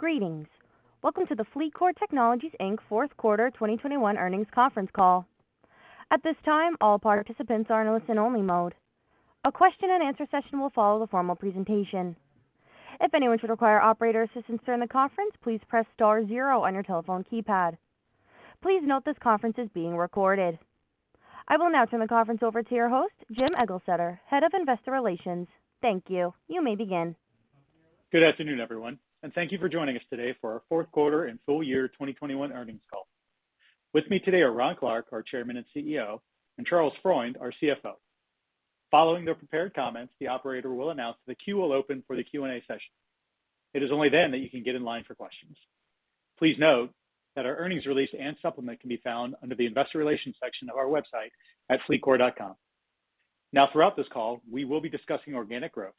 Greetings. Welcome to the FLEETCOR Technologies, Inc.'s fourth quarter 2021 earnings conference call. At this time, all participants are in listen-only mode. A question-and-answer session will follow the formal presentation. If anyone should require operator assistance during the conference, please press star zero on your telephone keypad. Please note this conference is being recorded. I will now turn the conference over to your host, Jim Eglseder, Head of Investor Relations. Thank you. You may begin. Good afternoon, everyone, and thank you for joining us today for our Q4 and full year 2021 earnings call. With me today are Ron Clarke, our Chairman and CEO, and Charles Freund, our CFO. Following their prepared comments, the operator will announce that the queue will open for the Q&A session. It is only then that you can get in line for questions. Please note that our earnings release and supplement can be found under the Investor Relations section of our website at FLEETCOR.com. Now, throughout this call, we will be discussing organic growth.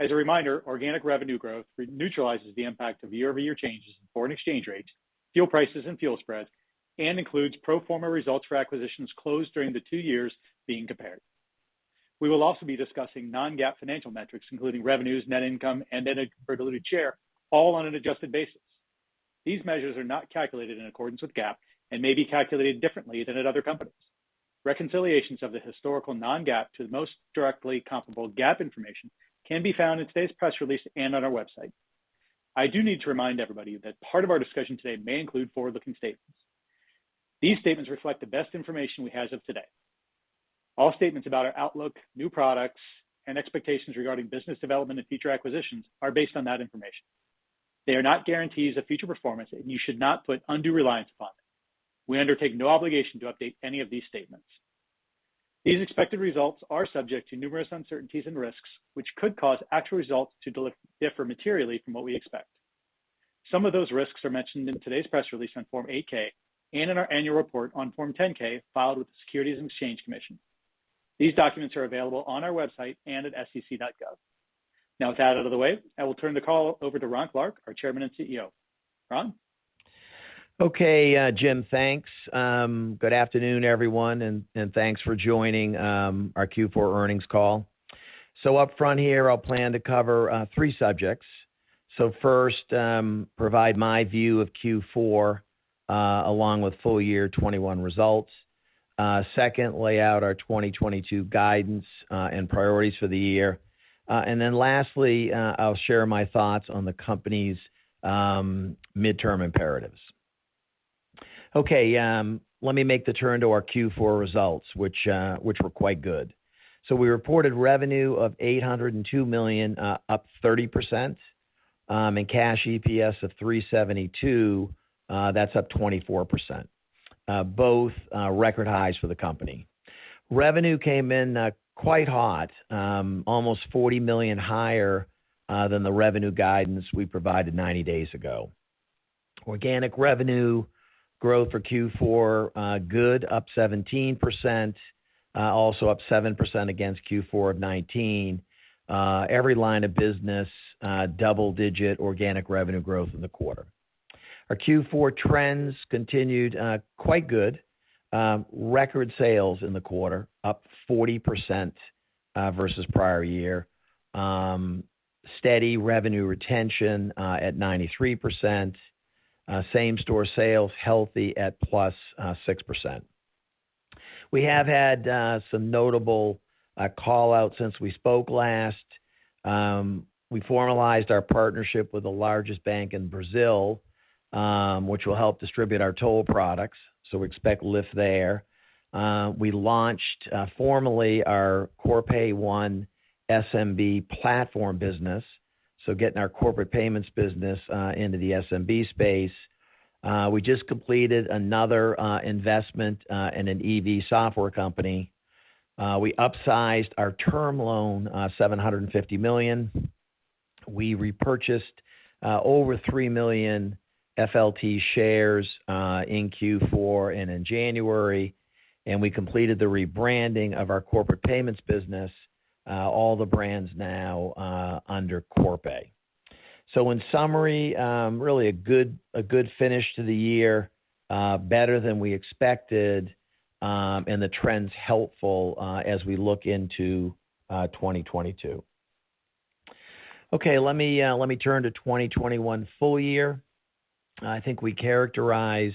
As a reminder, organic revenue growth neutralizes the impact of year-over-year changes in foreign exchange rates, fuel prices, and fuel spreads, and includes pro forma results for acquisitions closed during the two years being compared. We will also be discussing non-GAAP financial metrics, including revenues, net income, and then a diluted share, all on an adjusted basis. These measures are not calculated in accordance with GAAP and may be calculated differently than at other companies. Reconciliations of the historical non-GAAP to the most directly comparable GAAP information can be found in today's press release and on our website. I do need to remind everybody that part of our discussion today may include forward-looking statements. These statements reflect the best information we have as of today. All statements about our outlook, new products, and expectations regarding business development and future acquisitions are based on that information. They are not guarantees of future performance, and you should not put undue reliance upon them. We undertake no obligation to update any of these statements. These expected results are subject to numerous uncertainties and risks, which could cause actual results to differ materially from what we expect. Some of those risks are mentioned in today's press release on Form 8-K and in our annual report on Form 10-K filed with the Securities and Exchange Commission. These documents are available on our website and at sec.gov. Now, with that out of the way, I will turn the call over to Ron Clarke, our Chairman and CEO. Ron? Okay, Jim, thanks. Good afternoon, everyone, and thanks for joining our Q4 earnings call. Upfront here, I'll plan to cover three subjects. First, I'll provide my view of Q4 along with full year 2021 results. Second, I'll lay out our 2022 guidance and priorities for the year. Lastly, I'll share my thoughts on the company's midterm imperatives. Okay, let me make the turn to our Q4 results, which were quite good. We reported revenue of $802 million, up 30%, and cash EPS of $3.72, up 24%. Both record highs for the company. Revenue came in quite hot, almost $40 million higher than the revenue guidance we provided 90 days ago. Organic revenue growth for Q4, good, up 17%, also up 7% against Q4 of 2019. Every line of business, double-digit organic revenue growth in the quarter. Our Q4 trends continued, quite good. Record sales in the quarter up 40%, versus prior year. Steady revenue retention, at 93%. Same-store sales healthy at +6%. We have had some notable call-outs since we spoke last. We formalized our partnership with the largest bank in Brazil, which will help distribute our toll products, so we expect lift there. We launched formally our Corpay One SMB platform business, so getting our corporate payments business, into the SMB space. We just completed another investment, in an EV software company. We upsized our term loan $750 million. We repurchased over 3 million FLT shares in Q4 and in January, and we completed the rebranding of our corporate payments business, all the brands now under Corpay. In summary, really a good finish to the year, better than we expected, and the trends helpful as we look into 2022. Okay, let me turn to 2021 full year. I think we characterize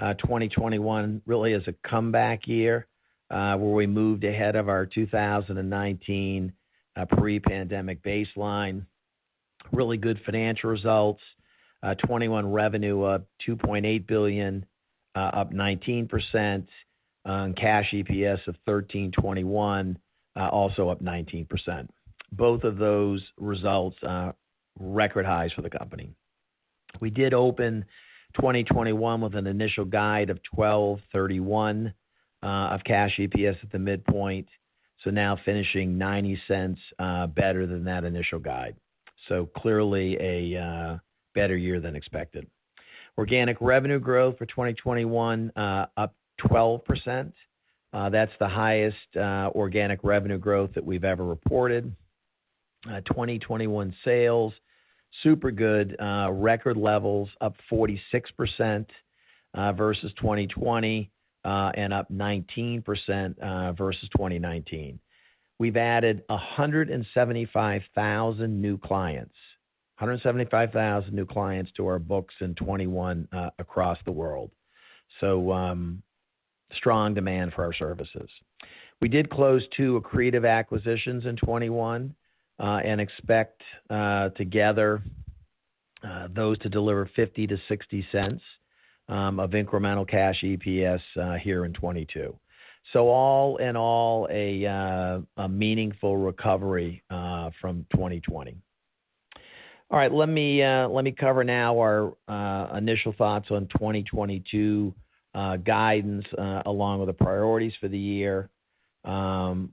2021 really as a comeback year, where we moved ahead of our 2019 pre-pandemic baseline. Really good financial results. 2021 revenue up $2.8 billion, up 19%. Cash EPS of $13.21, also up 19%. Both of those results are record highs for the company. We did open 2021 with an initial guide of $12.31 cash EPS at the midpoint, so now finishing $0.90 better than that initial guide. Clearly a better year than expected. Organic revenue growth for 2021 up 12%. That's the highest organic revenue growth that we've ever reported. 2021 sales super good record levels up 46% versus 2020 and up 19% versus 2019. We've added 175,000 new clients. 175,000 new clients to our books in 2021 across the world. Strong demand for our services. We did close two accretive acquisitions in 2021 and expect those to deliver $0.50-$0.60 of incremental cash EPS here in 2022. All in all, a meaningful recovery from 2020. All right. Let me cover now our initial thoughts on 2022 guidance along with the priorities for the year.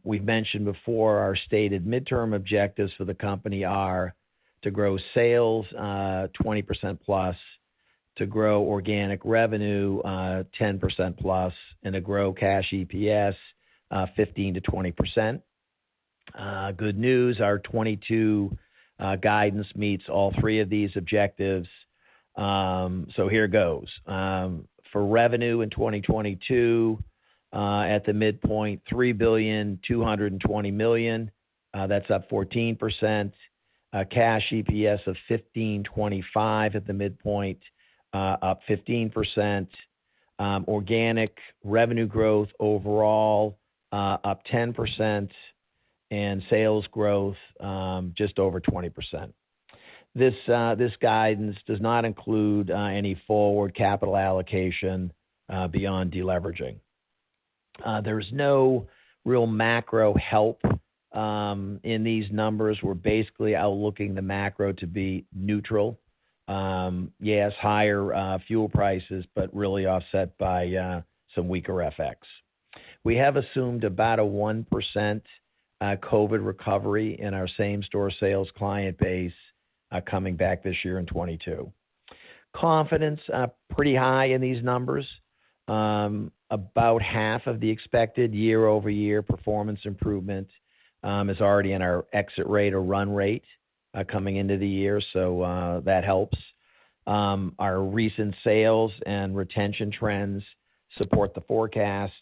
We've mentioned before our stated midterm objectives for the company are to grow sales 20%+, to grow organic revenue 10%+, and to grow cash EPS 15%-20%. Good news, our 2022 guidance meets all three of these objectives. Here goes. For revenue in 2022, at the midpoint $3.22 billion, that's up 14%. Cash EPS of [$1.52-$1.55] at the midpoint, up 15%. Organic revenue growth overall up 10%, and sales growth just over 20%. This guidance does not include any forward capital allocation beyond deleveraging. There's no real macro help in these numbers. We're basically outlooking the macro to be neutral. Yes, higher fuel prices, but really offset by some weaker FX. We have assumed about a 1% COVID recovery in our same-store sales client base coming back this year in 2022. Confidence pretty high in these numbers. About half of the expected year-over-year performance improvement is already in our exit rate or run rate coming into the year, so that helps. Our recent sales and retention trends support the forecast.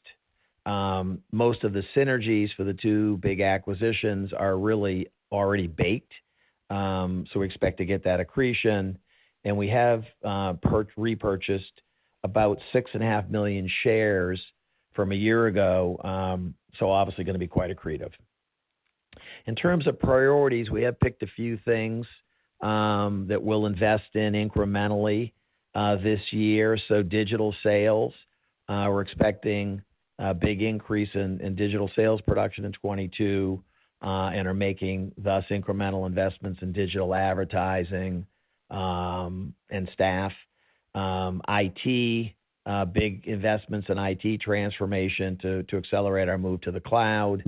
Most of the synergies for the two big acquisitions are really already baked, so we expect to get that accretion. We have repurchased about 6.5 million shares from a year ago, so obviously gonna be quite accretive. In terms of priorities, we have picked a few things that we'll invest in incrementally this year. Digital sales, we're expecting a big increase in digital sales production in 2022, and are making those incremental investments in digital advertising and staff. IT, big investments in IT transformation to accelerate our move to the cloud.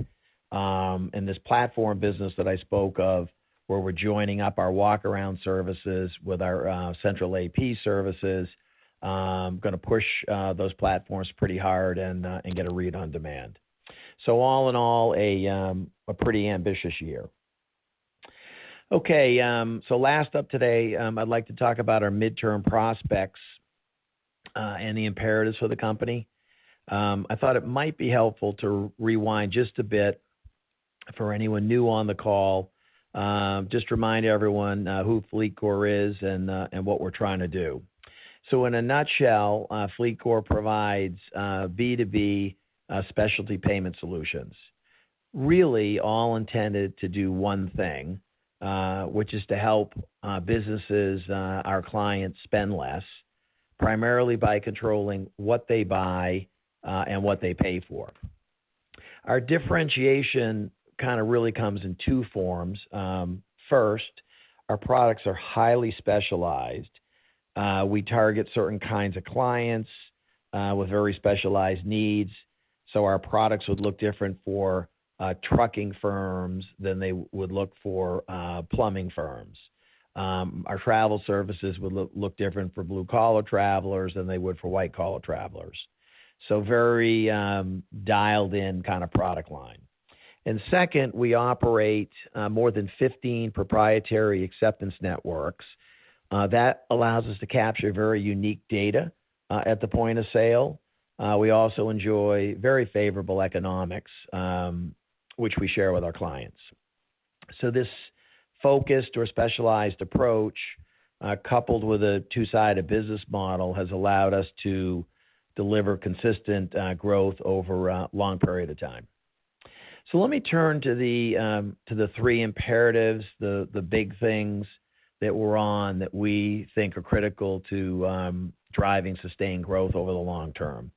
And this platform business that I spoke of, where we're joining up our walkaround services with our central AP services, gonna push those platforms pretty hard and get a read on demand. All in all, a pretty ambitious year. Okay, last up today, I'd like to talk about our midterm prospects and the imperatives for the company. I thought it might be helpful to rewind just a bit for anyone new on the call, just to remind everyone who FLEETCOR is and what we're trying to do. In a nutshell, FLEETCOR provides B2B specialty payment solutions, really all intended to do one thing, which is to help businesses, our clients spend less, primarily by controlling what they buy and what they pay for. Our differentiation kind of really comes in two forms. First, our products are highly specialized. We target certain kinds of clients with very specialized needs, so our products would look different for trucking firms than they would look for plumbing firms. Our travel services would look different for blue-collar travelers than they would for white-collar travelers. Very dialed in kind of product line. Second, we operate more than 15 proprietary acceptance networks. That allows us to capture very unique data at the point of sale. We also enjoy very favorable economics, which we share with our clients. This focused or specialized approach, coupled with a two-sided business model, has allowed us to deliver consistent growth over a long period of time. Let me turn to the three imperatives, the big things that we're on that we think are critical to driving sustained growth over the long term.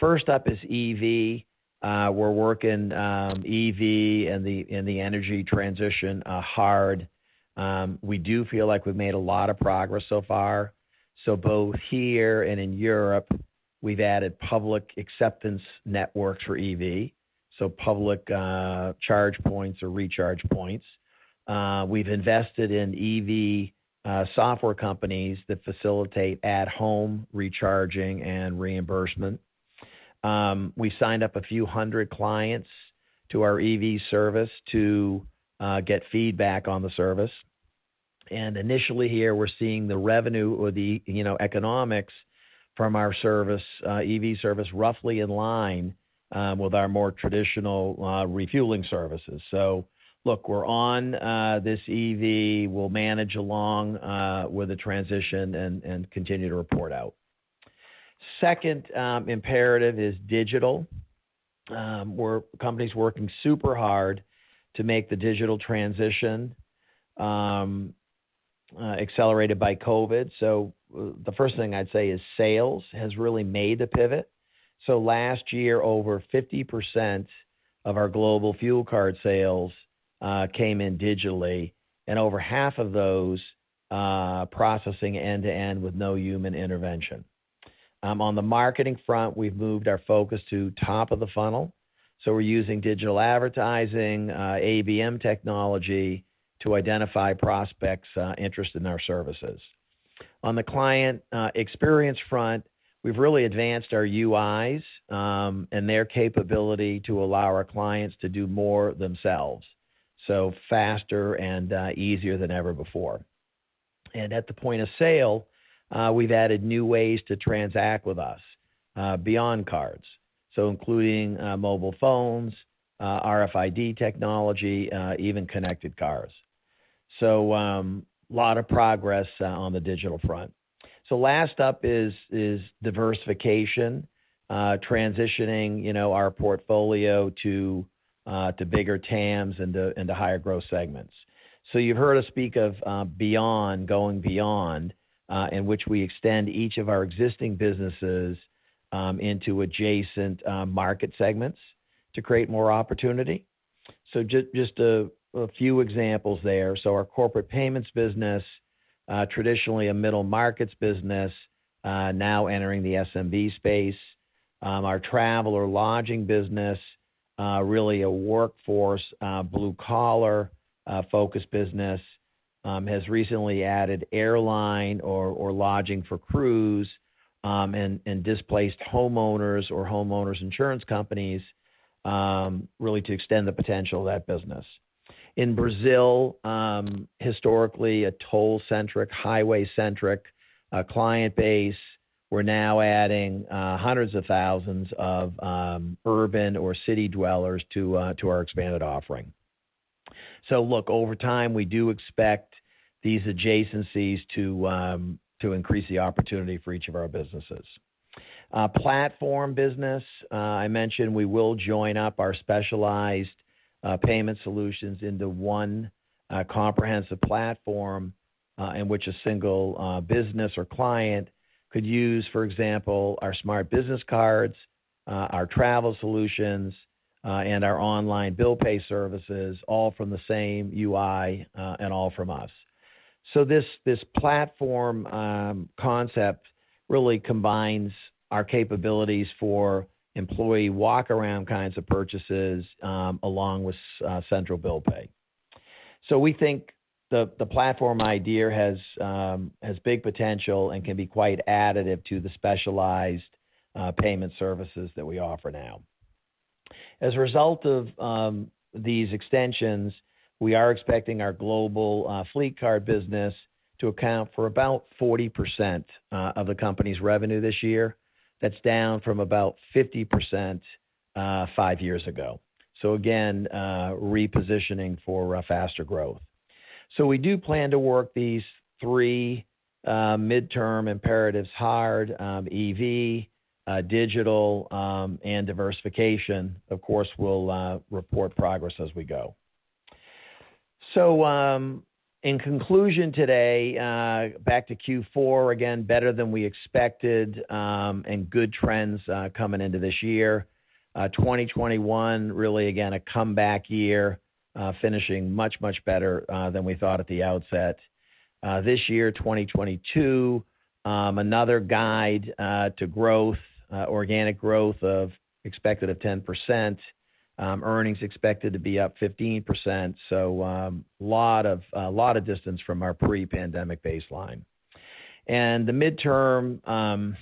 First up is EV. We're working EV and the energy transition hard. We do feel like we've made a lot of progress so far. Both here and in Europe, we've added public acceptance networks for EV, so public charge points or recharge points. We've invested in EV software companies that facilitate at-home recharging and reimbursement. We signed up a few hundred clients to our EV service to get feedback on the service. Initially here, we're seeing the revenue or the, you know, economics from our service, EV service roughly in line with our more traditional refueling services. Look, we're on this EV. We'll manage along with the transition and continue to report out. Second imperative is digital. The company's working super hard to make the digital transition accelerated by COVID. The first thing I'd say is sales has really made the pivot. Last year, over 50% of our global fuel card sales came in digitally, and over half of those processing end-to-end with no human intervention. On the marketing front, we've moved our focus to top of the funnel. We're using digital advertising, ABM technology to identify prospects interested in our services. On the client experience front, we've really advanced our UIs and their capability to allow our clients to do more themselves, so faster and easier than ever before. At the point of sale, we've added new ways to transact with us beyond cards, so including mobile phones, RFID technology, even connected cars. Lot of progress on the digital front. Last up is diversification, transitioning, you know, our portfolio to bigger TAMs and higher growth segments. You've heard us speak of going beyond, in which we extend each of our existing businesses into adjacent market segments to create more opportunity. Just a few examples there. Our corporate payments business, traditionally a middle markets business, now entering the SMB space. Our travel or lodging business, really a workforce blue-collar focused business, has recently added airline or lodging for crews and displaced homeowners or homeowners insurance companies, really to extend the potential of that business. In Brazil, historically a toll-centric, highway-centric client base, we're now adding hundreds of thousands of urban or city dwellers to our expanded offering. Look, over time, we do expect these adjacencies to increase the opportunity for each of our businesses. Our platform business, I mentioned we will join up our specialized payment solutions into one comprehensive platform, in which a single business or client could use, for example, our smart business cards, our travel solutions, and our online bill pay services all from the same UI, and all from us. This platform concept really combines our capabilities for employee walk-around kinds of purchases, along with central bill pay. We think the platform idea has big potential and can be quite additive to the specialized payment services that we offer now. As a result of these extensions, we are expecting our global fleet card business to account for about 40% of the company's revenue this year. That's down from about 50% five years ago. Again, repositioning for faster growth. We do plan to work these three midterm imperatives hard, EV, digital, and diversification. Of course, we'll report progress as we go. In conclusion today, back to Q4, again, better than we expected, and good trends coming into this year. 2021 really, again, a comeback year, finishing much better than we thought at the outset. This year, 2022, another guide to growth, organic growth expected of 10%. Earnings expected to be up 15%. lot of distance from our pre-pandemic baseline. The midterm,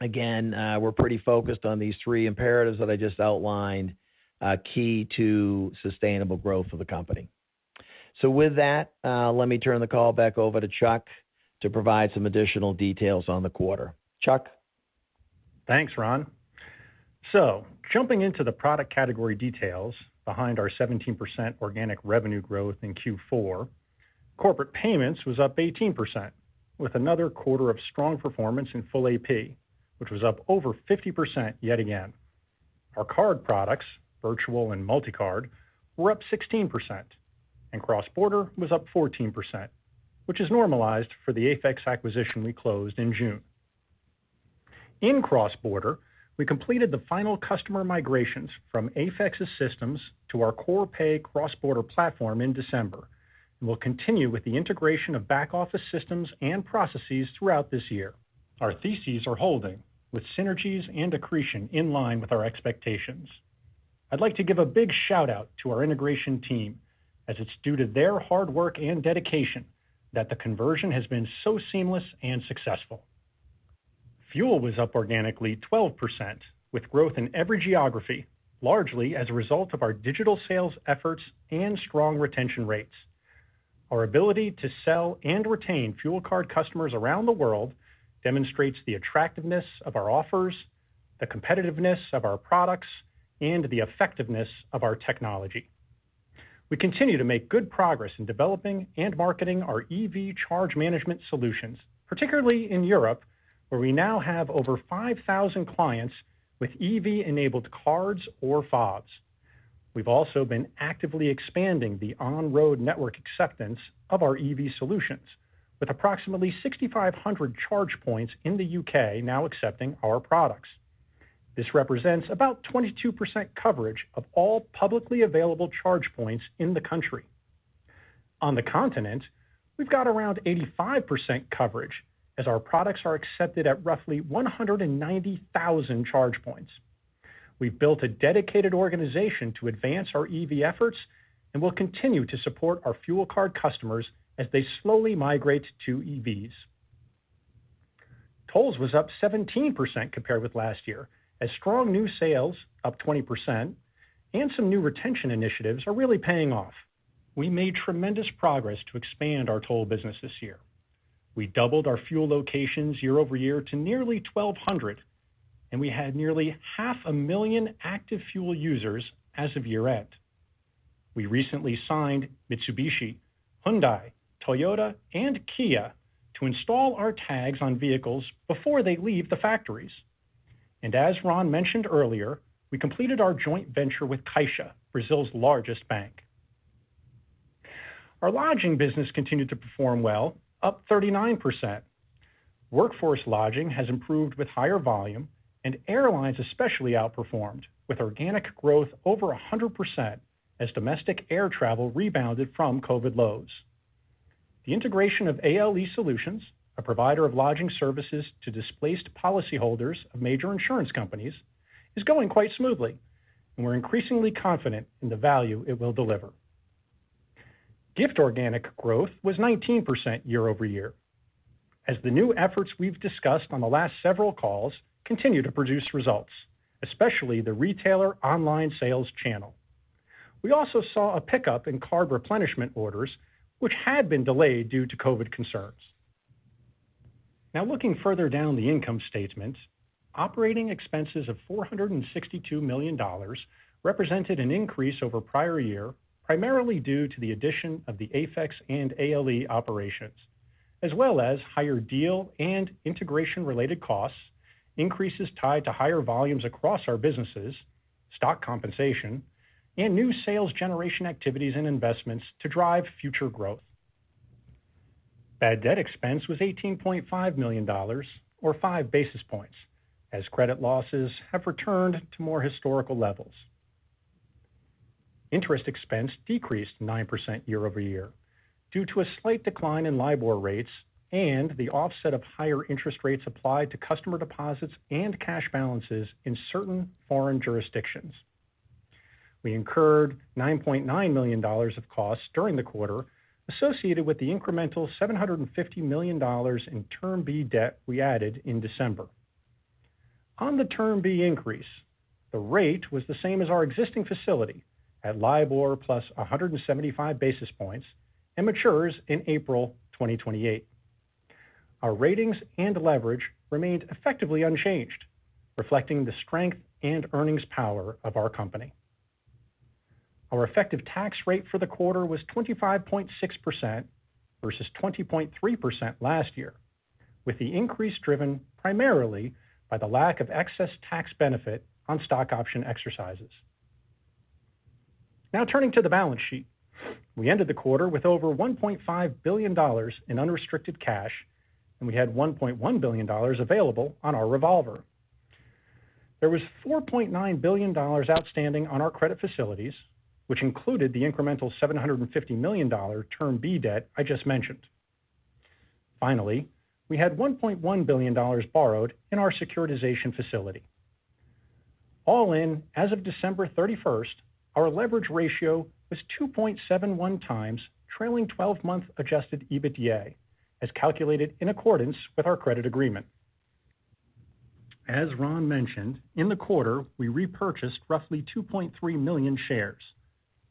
again, we're pretty focused on these three imperatives that I just outlined, key to sustainable growth for the company. With that, let me turn the call back over to Charles to provide some additional details on the quarter. Charles? Thanks, Ron. Jumping into the product category details behind our 17% organic revenue growth in Q4, corporate payments was up 18%, with another quarter of strong performance in Full AP, which was up over 50% yet again. Our card products, Virtual and Multi-Card, were up 16%, and Cross-Border was up 14%, which is normalized for the AFEX acquisition we closed in June. In Cross-Border, we completed the final customer migrations from AFEX's systems to our Corpay Cross-Border platform in December, and we'll continue with the integration of back-office systems and processes throughout this year. Our theses are holding with synergies and accretion in line with our expectations. I'd like to give a big shout-out to our integration team, as it's due to their hard work and dedication that the conversion has been so seamless and successful. Fuel was up organically 12% with growth in every geography, largely as a result of our digital sales efforts and strong retention rates. Our ability to sell and retain fuel card customers around the world demonstrates the attractiveness of our offers, the competitiveness of our products, and the effectiveness of our technology. We continue to make good progress in developing and marketing our EV charge management solutions, particularly in Europe, where we now have over 5,000 clients with EV-enabled cards or FOBS. We've also been actively expanding the on-road network acceptance of our EV solutions with approximately 6,500 charge points in the U.K. now accepting our products. This represents about 22% coverage of all publicly available charge points in the country. On the continent, we've got around 85% coverage as our products are accepted at roughly 190,000 charge points. We've built a dedicated organization to advance our EV efforts, and we'll continue to support our fuel card customers as they slowly migrate to EVs. Tolls was up 17% compared with last year as strong new sales, up 20%, and some new retention initiatives are really paying off. We made tremendous progress to expand our toll business this year. We doubled our fuel locations year over year to nearly 1,200, and we had nearly half a million active fuel users as of year-end. We recently signed Mitsubishi, Hyundai, Toyota, and Kia to install our tags on vehicles before they leave the factories. As Ron mentioned earlier, we completed our joint venture with CAIXA, Brazil's largest bank. Our lodging business continued to perform well, up 39%. Workforce lodging has improved with higher volume, and airlines especially outperformed with organic growth over 100% as domestic air travel rebounded from COVID lows. The integration of ALE Solutions, a provider of lodging services to displaced policyholders of major insurance companies, is going quite smoothly, and we're increasingly confident in the value it will deliver. Gift organic growth was 19% year-over-year as the new efforts we've discussed on the last several calls continue to produce results, especially the retailer online sales channel. We also saw a pickup in card replenishment orders, which had been delayed due to COVID concerns. Now looking further down the income statement, operating expenses of $462 million represented an increase over prior year, primarily due to the addition of the AFEX and ALE operations, as well as higher deal and integration-related costs, increases tied to higher volumes across our businesses, stock compensation, and new sales generation activities and investments to drive future growth. Bad debt expense was $18.5 million or 5 basis points as credit losses have returned to more historical levels. Interest expense decreased 9% year-over-year due to a slight decline in LIBOR rates and the offset of higher interest rates applied to customer deposits and cash balances in certain foreign jurisdictions. We incurred $9.9 million of costs during the quarter associated with the incremental $750 million in Term B debt we added in December. On the Term B increase, the rate was the same as our existing facility at LIBOR+ 175 basis points and matures in April 2028. Our ratings and leverage remained effectively unchanged, reflecting the strength and earnings power of our company. Our effective tax rate for the quarter was 25.6% versus 20.3% last year, with the increase driven primarily by the lack of excess tax benefit on stock option exercises. Now turning to the balance sheet. We ended the quarter with over $1.5 billion in unrestricted cash, and we had $1.1 billion available on our revolver. There was $4.9 billion outstanding on our credit facilities, which included the incremental $750 million Term B debt I just mentioned. Finally, we had $1.1 billion borrowed in our securitization facility. All in, as of December 31, our leverage ratio was 2.71x trailing 12 month adjusted EBITDA, as calculated in accordance with our credit agreement. As Ron mentioned, in the quarter, we repurchased roughly 2.3 million shares,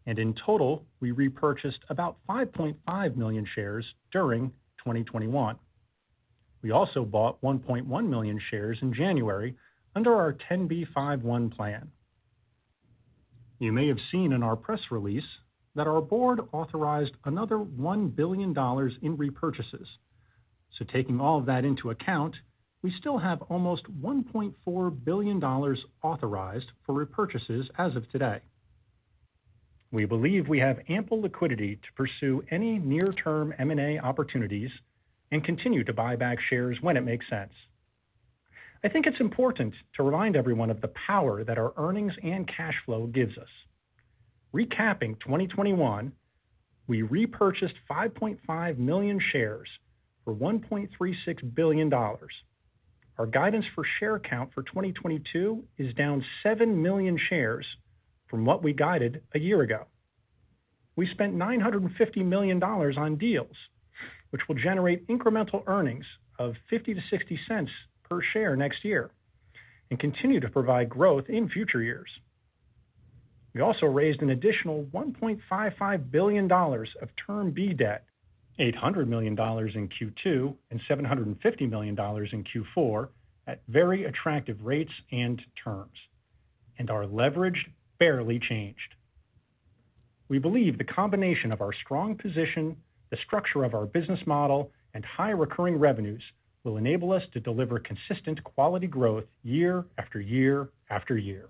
and in total, we repurchased about 5.5 million shares during 2021. We also bought 1.1 million shares in January under our 10b5-1 plan. You may have seen in our press release that our board authorized another $1 billion in repurchases. Taking all of that into account, we still have almost $1.4 billion authorized for repurchases as of today. We believe we have ample liquidity to pursue any near-term M&A opportunities and continue to buy back shares when it makes sense. I think it's important to remind everyone of the power that our earnings and cash flow gives us. Recapping 2021, we repurchased 5.5 million shares for $1.36 billion. Our guidance for share count for 2022 is down 7 million shares from what we guided a year ago. We spent $950 million on deals, which will generate incremental earnings of $0.50-$0.60 per share next year and continue to provide growth in future years. We also raised an additional $1.55 billion of Term B debt, $800 million in Q2, and $750 million in Q4 at very attractive rates and terms, and our leverage barely changed. We believe the combination of our strong position, the structure of our business model, and high recurring revenues will enable us to deliver consistent quality growth year after year after year.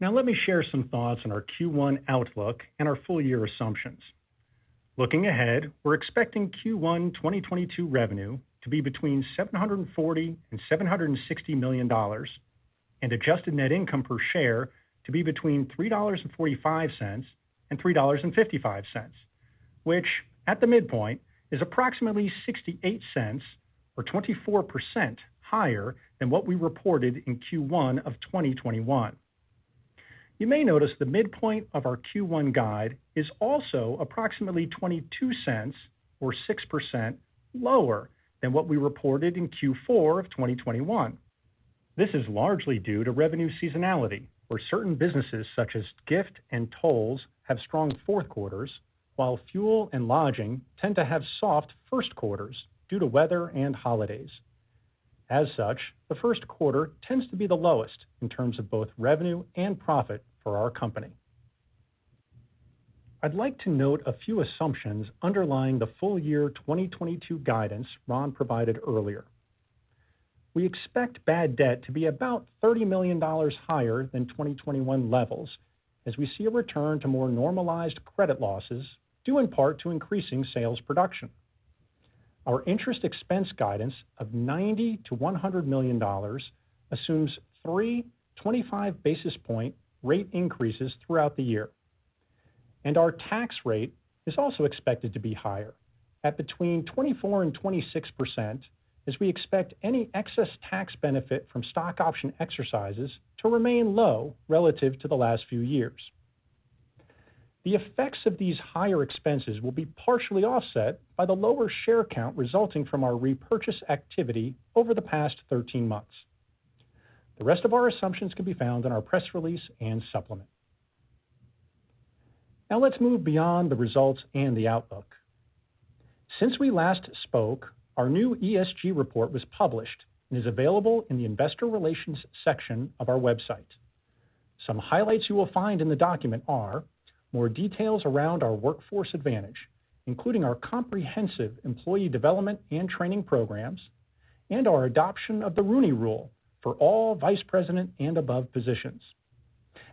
Now let me share some thoughts on our Q1 outlook and our full-year assumptions. Looking ahead, we're expecting Q1 2022 revenue to be between $740 million and $760 million, and adjusted net income per share to be between $3.45 and $3.55, which at the midpoint is approximately $0.68 or 24% higher than what we reported in Q1 of 2021. You may notice the midpoint of our Q1 guide is also approximately $0.22 or 6% lower than what we reported in Q4 of 2021. This is largely due to revenue seasonality, where certain businesses such as gift and tolls have strong fourth quarters, while fuel and lodging tend to have soft first quarters due to weather and holidays. As such, the first quarter tends to be the lowest in terms of both revenue and profit for our company. I'd like to note a few assumptions underlying the full year 2022 guidance Ron provided earlier. We expect bad debt to be about $30 million higher than 2021 levels as we see a return to more normalized credit losses, due in part to increasing sales production. Our interest expense guidance of $90 million-$100 million assumes three 25 basis point rate increases throughout the year. Our tax rate is also expected to be higher at between 24%-26% as we expect any excess tax benefit from stock option exercises to remain low relative to the last few years. The effects of these higher expenses will be partially offset by the lower share count resulting from our repurchase activity over the past 13 months. The rest of our assumptions can be found in our press release and supplement. Now let's move beyond the results and the outlook. Since we last spoke, our new ESG report was published and is available in the investor relations section of our website. Some highlights you will find in the document are more details around our workforce advantage, including our comprehensive employee development and training programs, and our adoption of the Rooney Rule for all vice president and above positions,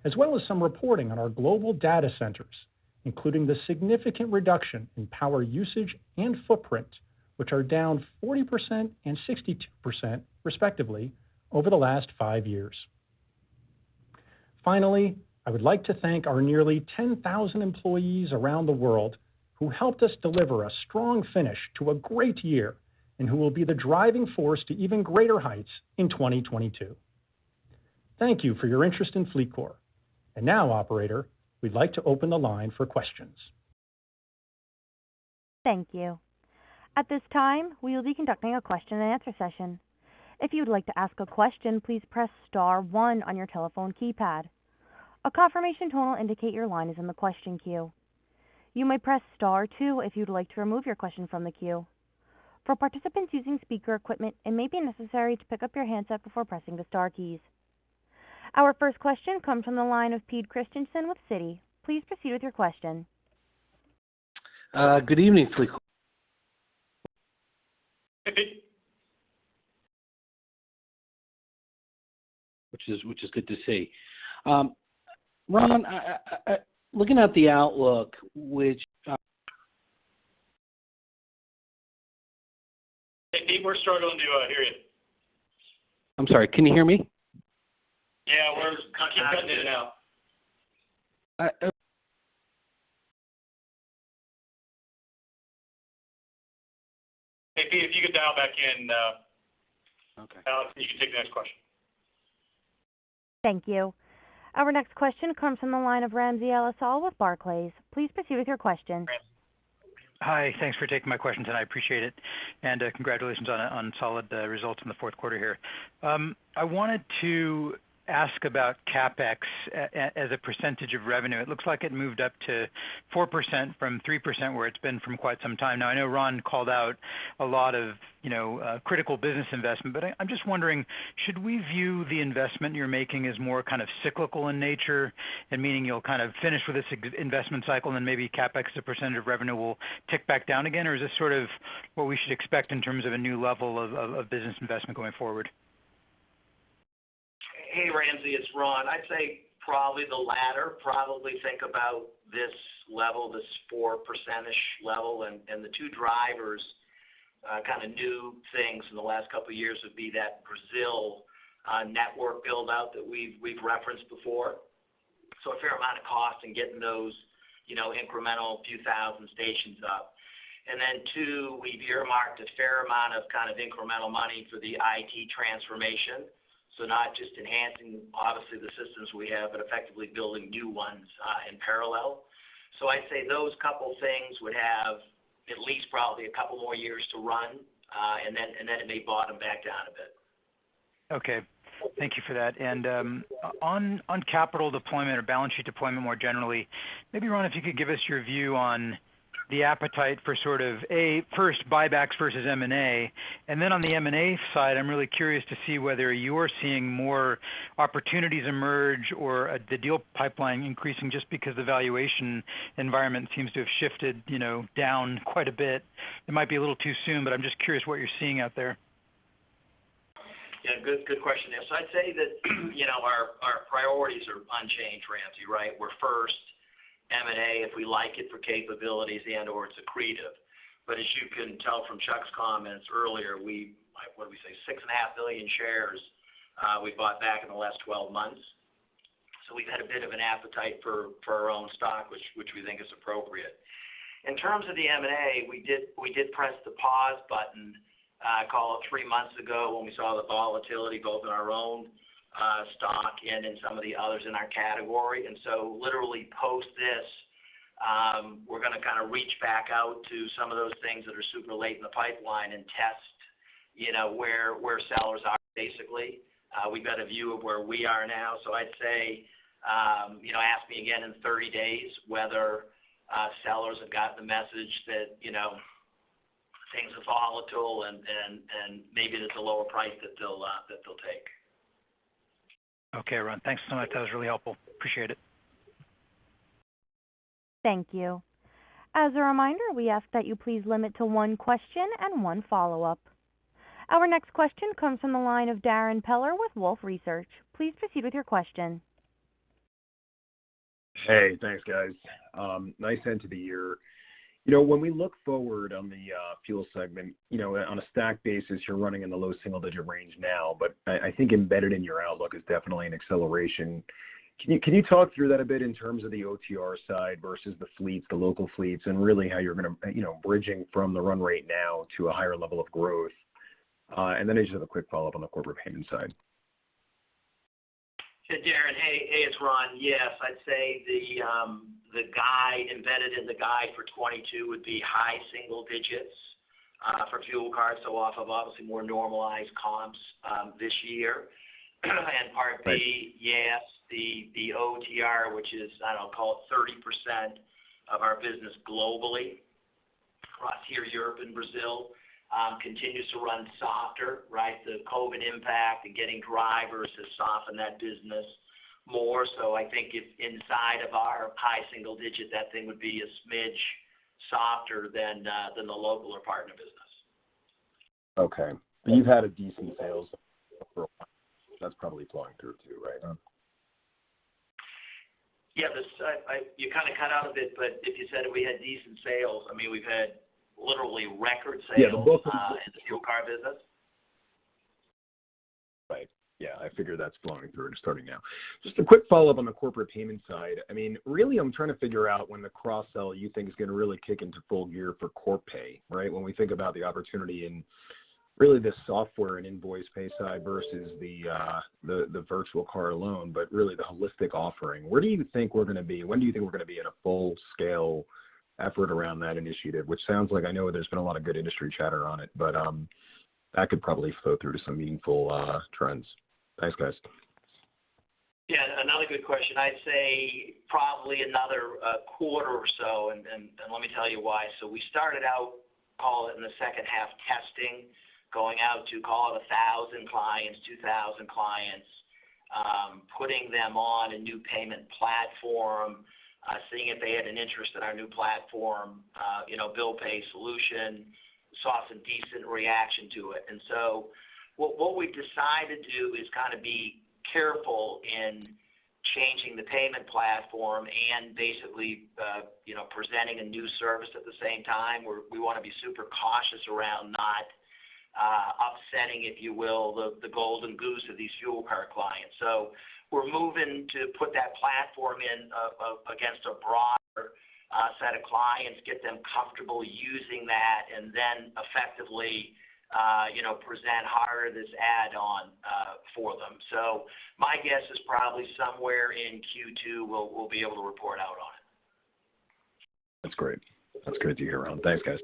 as well as some reporting on our global data centers, including the significant reduction in power usage and footprint, which are down 40% and 62%, respectively, over the last five years. Finally, I would like to thank our nearly 10,000 employees around the world who helped us deliver a strong finish to a great year and who will be the driving force to even greater heights in 2022. Thank you for your interest in FLEETCOR. Now, operator, we'd like to open the line for questions. Thank you. At this time, we will be conducting a question-and-answer session. If you'd like to ask a question, please press star one on your telephone keypad. A confirmation tone will indicate your line is in the question queue. You may press star two if you'd like to remove your question from the queue. For participants using speaker equipment, it may be necessary to pick up your handset before pressing the star keys. Our first question comes from the line of Peter Christiansen with Citi. Please proceed with your question. Good evening, FLEETCOR, which is good to see. Ron, looking at the outlook, which Hey, Pete, we're struggling to hear you. I'm sorry. Can you hear me? Yeah. I can hear you now. I- Hey, Pete, if you could dial back in. Okay. Alex, you can take the next question. Thank you. Our next question comes from the line of Ramsey El-Assal with Barclays. Please proceed with your question. Hi. Thanks for taking my questions, and I appreciate it. Congratulations on solid results in the fourth quarter here. I wanted to ask about CapEx as a percentage of revenue. It looks like it moved up to 4% from 3% where it's been for quite some time now. I know Ron called out a lot of, you know, critical business investment, but I'm just wondering, should we view the investment you're making as more kind of cyclical in nature and meaning you'll kind of finish with this investment cycle and then maybe CapEx as a percentage of revenue will tick back down again? Or is this sort of what we should expect in terms of a new level of business investment going forward? Hey, Ramsey, it's Ron. I'd say probably the latter, probably think about this level, this 4% level. The two drivers, kinda new things in the last couple of years would be that Brazil network build-out that we've referenced before. A fair amount of cost in getting those, you know, incremental 2,000 stations up. Two, we've earmarked a fair amount of kind of incremental money for the IT transformation. Not just enhancing obviously the systems we have, but effectively building new ones, in parallel. I'd say those couple things would have at least probably a couple more years to run, and then they bottom back down a bit. Okay. Thank you for that. On capital deployment or balance sheet deployment more generally, maybe Ron, if you could give us your view on the appetite for sort of a first buybacks versus M&A. On the M&A side, I'm really curious to see whether you are seeing more opportunities emerge or the deal pipeline increasing just because the valuation environment seems to have shifted, you know, down quite a bit. It might be a little too soon, but I'm just curious what you're seeing out there. Yeah, good question. I'd say that, you know, our priorities are unchanged, Ramsey, right? We're first M&A if we like it for capabilities and/or it's accretive. As you can tell from Charles's comments earlier, we, what did we say? 6.5 million shares we bought back in the last 12 months. We've had a bit of an appetite for our own stock, which we think is appropriate. In terms of the M&A, we did press the pause button, call it three months ago when we saw the volatility both in our own stock and in some of the others in our category. Literally post this, we're going to kind of reach back out to some of those things that are super late in the pipeline and test, you know, where sellers are, basically. We've got a view of where we are now. I'd say, you know, ask me again in 30 days whether sellers have gotten the message that, you know, things are volatile and maybe there's a lower price that they'll take. Okay, Ron. Thanks so much. That was really helpful. Appreciate it. Thank you. As a reminder, we ask that you please limit to one question and one follow-up. Our next question comes from the line of Darrin Peller with Wolfe Research. Please proceed with your question. Hey, thanks, guys. Nice end to the year. You know, when we look forward on the fuel segment, you know, on a stack basis, you're running in the low single-digit range now. I think embedded in your outlook is definitely an acceleration. Can you talk through that a bit in terms of the OTR side versus the fleets, the local fleets, and really how you're gonna, you know, bridging from the run rate now to a higher level of growth? And then I just have a quick follow-up on the corporate payment side. Darrin, hey, it's Ron. Yes, I'd say the guidance embedded in the guidance for 2022 would be high single digits for fuel cards, so off of obviously more normalized comps, this year. Right. Part B, yes, the OTR, which is, I don't know, call it 30% of our business globally across here, Europe and Brazil, continues to run softer, right? The COVID impact and getting drivers has softened that business more. I think if inside of our high single digit, that thing would be a smidge softer than the local or partner business. Okay. You've had a decent sales for a while. That's probably flowing through, too, right, Ron? You kind of cut out a bit, but if you said we had decent sales, I mean, we've had literally record sales. Yeah. Both of them. in the fuel card business. Right. Yeah, I figure that's flowing through and starting now. Just a quick follow-up on the corporate payment side. I mean, really, I'm trying to figure out when the cross-sell you think is going to really kick into full gear for corp pay, right? When we think about the opportunity in really the software and invoice pay side versus the virtual card alone, but really the holistic offering. Where do you think we're gonna be at a full-scale effort around that initiative? Which sounds like I know there's been a lot of good industry chatter on it, but that could probably flow through to some meaningful trends. Thanks, guys. Yeah, another good question. I'd say probably another quarter or so, and let me tell you why. We started out, call it in the second half, testing, going out to call it 1,000 clients, 2,000 clients, putting them on a new payment platform, seeing if they had an interest in our new platform, you know, bill pay solution, saw some decent reaction to it. What we've decided to do is kind of be careful in changing the payment platform and basically, you know, presenting a new service at the same time, where we want to be super cautious around not upsetting, if you will, the golden goose of these fuel card clients. We're moving to put that platform against a broader set of clients, get them comfortable using that, and then effectively, you know, present harder this add-on for them. My guess is probably somewhere in Q2, we'll be able to report out on it. That's great. That's good to hear, Ron. Thanks, guys.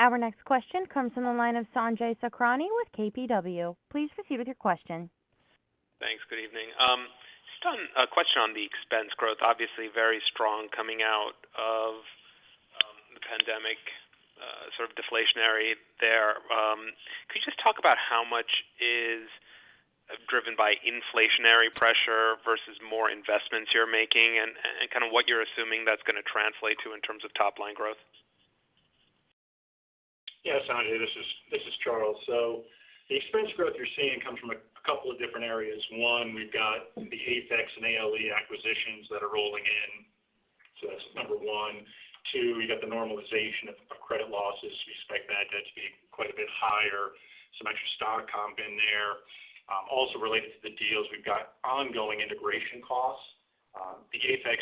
Our next question comes from the line of Sanjay Sakhrani with KBW. Please proceed with your question. Thanks. Good evening. Just on a question on the expense growth, obviously very strong coming out of the pandemic, sort of deflationary there. Could you just talk about how much is driven by inflationary pressure versus more investments you're making and kind of what you're assuming that's gonna translate to in terms of top-line growth? Yeah, Sanjay, this is Charles. The expense growth you're seeing comes from a couple of different areas. One, we've got the AFEX and ALE acquisitions that are rolling in. That's number one. Two, you got the normalization of credit losses. We expect that debt to be quite a bit higher. Some extra stock comp in there. Also related to the deals, we've got ongoing integration costs. The AFEX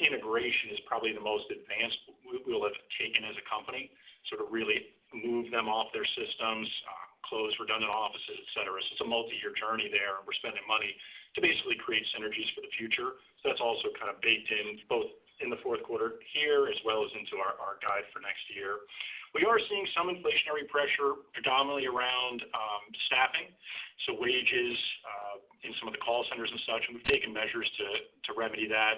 integration is probably the most advanced we will have taken as a company to sort of really move them off their systems, close redundant offices, et cetera. It's a multiyear journey there. We're spending money to basically create synergies for the future. That's also kind of baked in both in the fourth quarter here as well as into our guide for next year. We are seeing some inflationary pressure predominantly around staffing. Wages in some of the call centers and such, and we've taken measures to remedy that.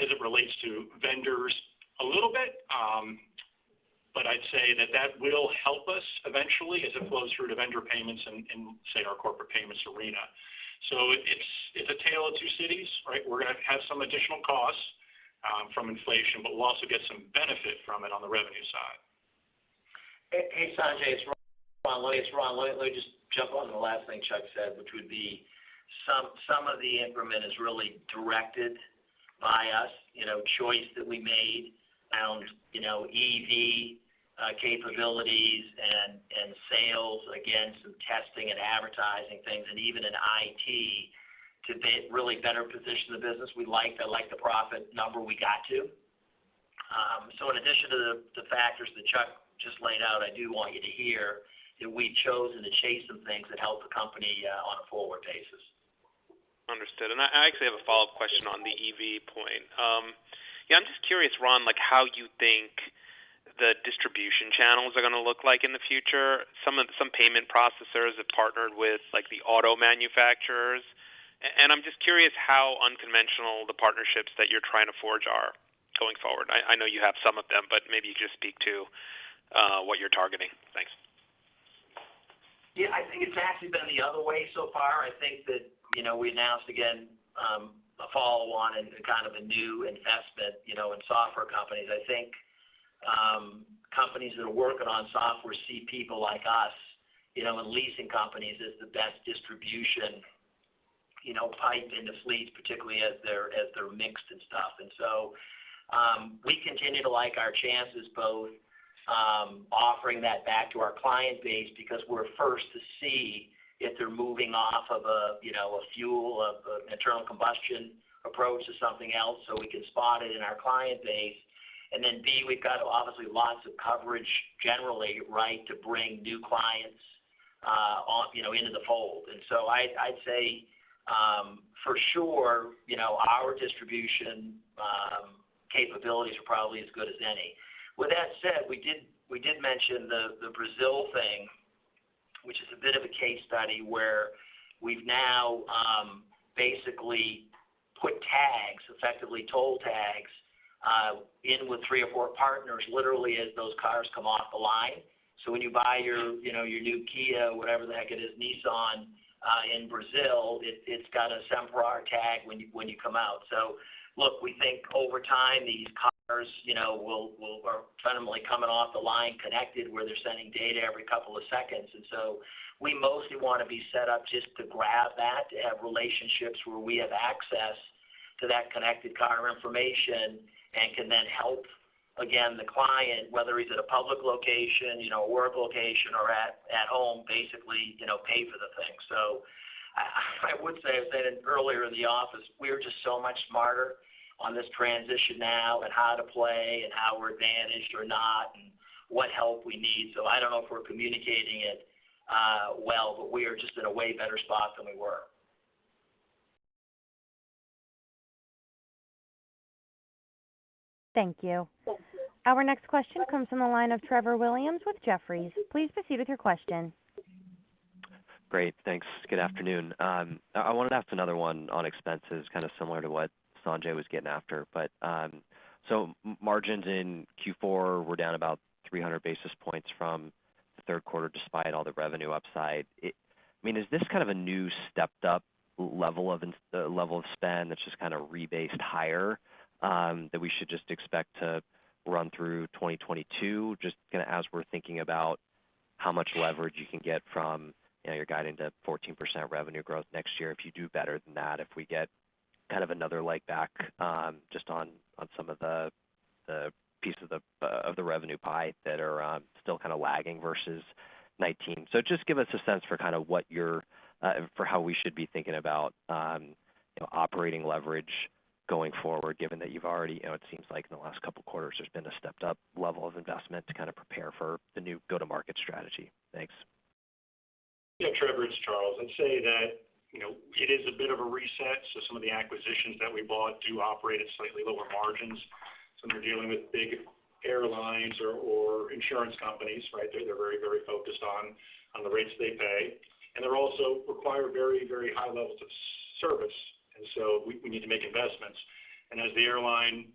As it relates to vendors a little bit, but I'd say that will help us eventually as it flows through to vendor payments in, say, our corporate payments arena. It's a tale of two cities, right? We're gonna have some additional costs from inflation, but we'll also get some benefit from it on the revenue side. Hey, Sanjay, it's Ron. Let me just jump on the last thing Charles said, which would be some of the increment is really directed by us, you know, choice that we made around, you know, EV capabilities and sales, again, some testing and advertising things, and even in IT to really better position the business. We like. I like the profit number we got to. In addition to the factors that Charles just laid out, I do want you to hear that we chose to chase some things that help the company on a forward basis. Understood. I actually have a follow-up question on the EV point. Yeah, I'm just curious, Ron, like how you think the distribution channels are gonna look like in the future. Some payment processors have partnered with, like, the auto manufacturers. I'm just curious how unconventional the partnerships that you're trying to forge are going forward. I know you have some of them, but maybe you just speak to what you're targeting. Thanks. Yeah, I think it's actually been the other way so far. I think that, you know, we announced again a follow-on and kind of a new investment, you know, in software companies. I think companies that are working on software see people like us, you know, and leasing companies as the best distribution, you know, pipe into fleets, particularly as they're mixed and stuff. We continue to like our chances both offering that back to our client base because we're first to see if they're moving off of a, you know, a fuel or an internal combustion approach to something else, so we can spot it in our client base. B, we've got obviously lots of coverage generally, right, to bring new clients on, you know, into the fold. I'd say, for sure, you know, our distribution capabilities are probably as good as any. With that said, we did mention the Brazil thing, which is a bit of a case study where we've now basically put tags, effectively toll tags, in with three or four partners literally as those cars come off the line. When you buy your, you know, your new Kia, whatever the heck it is, Nissan, in Brazil, it's got a Sem Parar tag when you come out. Look, we think over time, these cars, you know, will are fundamentally coming off the line connected, where they're sending data every couple of seconds. We mostly wanna be set up just to grab that, to have relationships where we have access to that connected car information and can then help, again, the client, whether he's at a public location, you know, a work location, or at home, basically, you know, pay for the thing. I would say, I said it earlier in the office, we are just so much smarter on this transition now and how to play and how we're advantaged or not and what help we need. I don't know if we're communicating it, well, but we are just in a way better spot than we were. Thank you. Our next question comes from the line of Trevor Williams with Jefferies. Please proceed with your question. It's good afternoon. I wanted to ask another one on expenses, similar to what Sanjay was getting after. Margins in Q4, we're down about 300 basis points from third quarter despite all the revenue upside. I mean, is this a new, stepped up level of spend that's just rebased higher that we should just expect to run through 2022? Just as we're thinking about how much leverage you can get from your guiding to 14% revenue growth next year. If you do better than that, if we get another like back just on some of the pieces of the revenue pie that are still lagging versus '19. Just give us a sense for what operating leverage going forward, given that you've already, it seems like in the last couple of quarters, there's been a stepped up level of investment to prepare for the new go-to-market strategy. Thanks. Yeah, Trevor, it's Charles. I'd say that, you know, it is a bit of a reset, so some of the acquisitions that we bought do operate at slightly lower margins. Some are dealing with big airlines or insurance companies, right? They're very focused on the rates they pay. They also require very high levels of service. We need to make investments. As the airline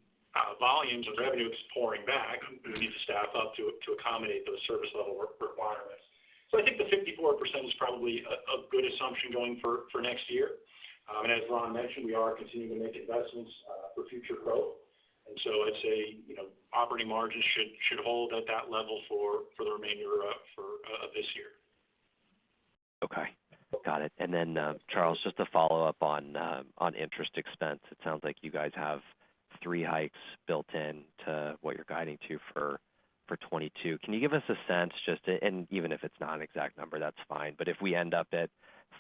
volumes of revenue is pouring back, we need to staff up to accommodate those service level requirements. I think the 54% is probably a good assumption going forward for next year. As Ron mentioned, we are continuing to make investments for future growth. I'd say, you know, operating margins should hold at that level for the remainder of this year. Okay. Got it. Charles, just to follow up on interest expense. It sounds like you guys have three hikes built in to what you're guiding to for for 2022. Can you give us a sense and even if it's not an exact number, that's fine. If we end up at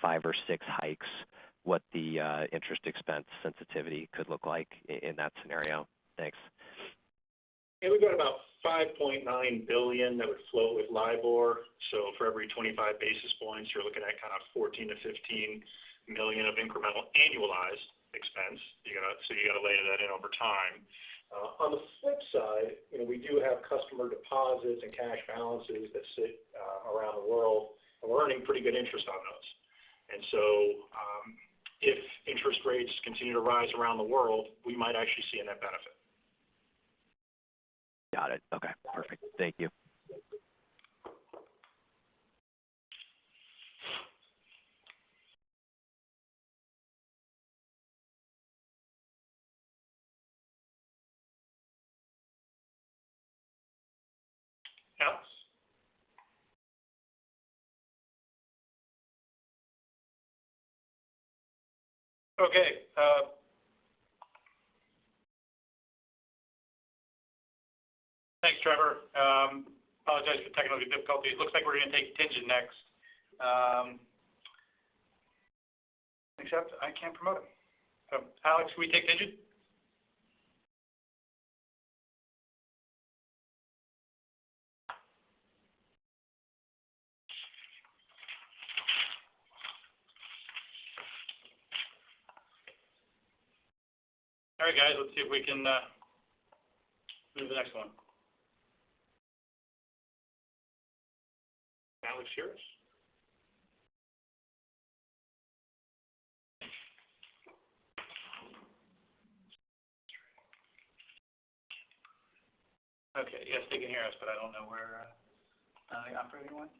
five or six hikes, what the interest expense sensitivity could look like in that scenario? Thanks. Yeah. We've got about $5.9 billion that would flow with LIBOR. For every 25 basis points, you're looking at kind of $14 million-$15 million of incremental annualized expense. You gotta layer that in over time. On the flip side, you know, we do have customer deposits and cash balances that sit around the world. We're earning pretty good interest on those. If interest rates continue to rise around the world, we might actually see a net benefit. Got it. Okay. Perfect. Thank you. Alex. Okay, thanks, Trevor. Apologize for the technical difficulties. Looks like we're gonna take Tien-Tsinn Huang next. Except I can't promote him. Alex, can we take Tien-Tsinn Huang? All right, guys, let's see if we can move to the next one. Can Alex hear us? Can't promote it. Okay. Yes, they can hear us, but I don't know where the operator went.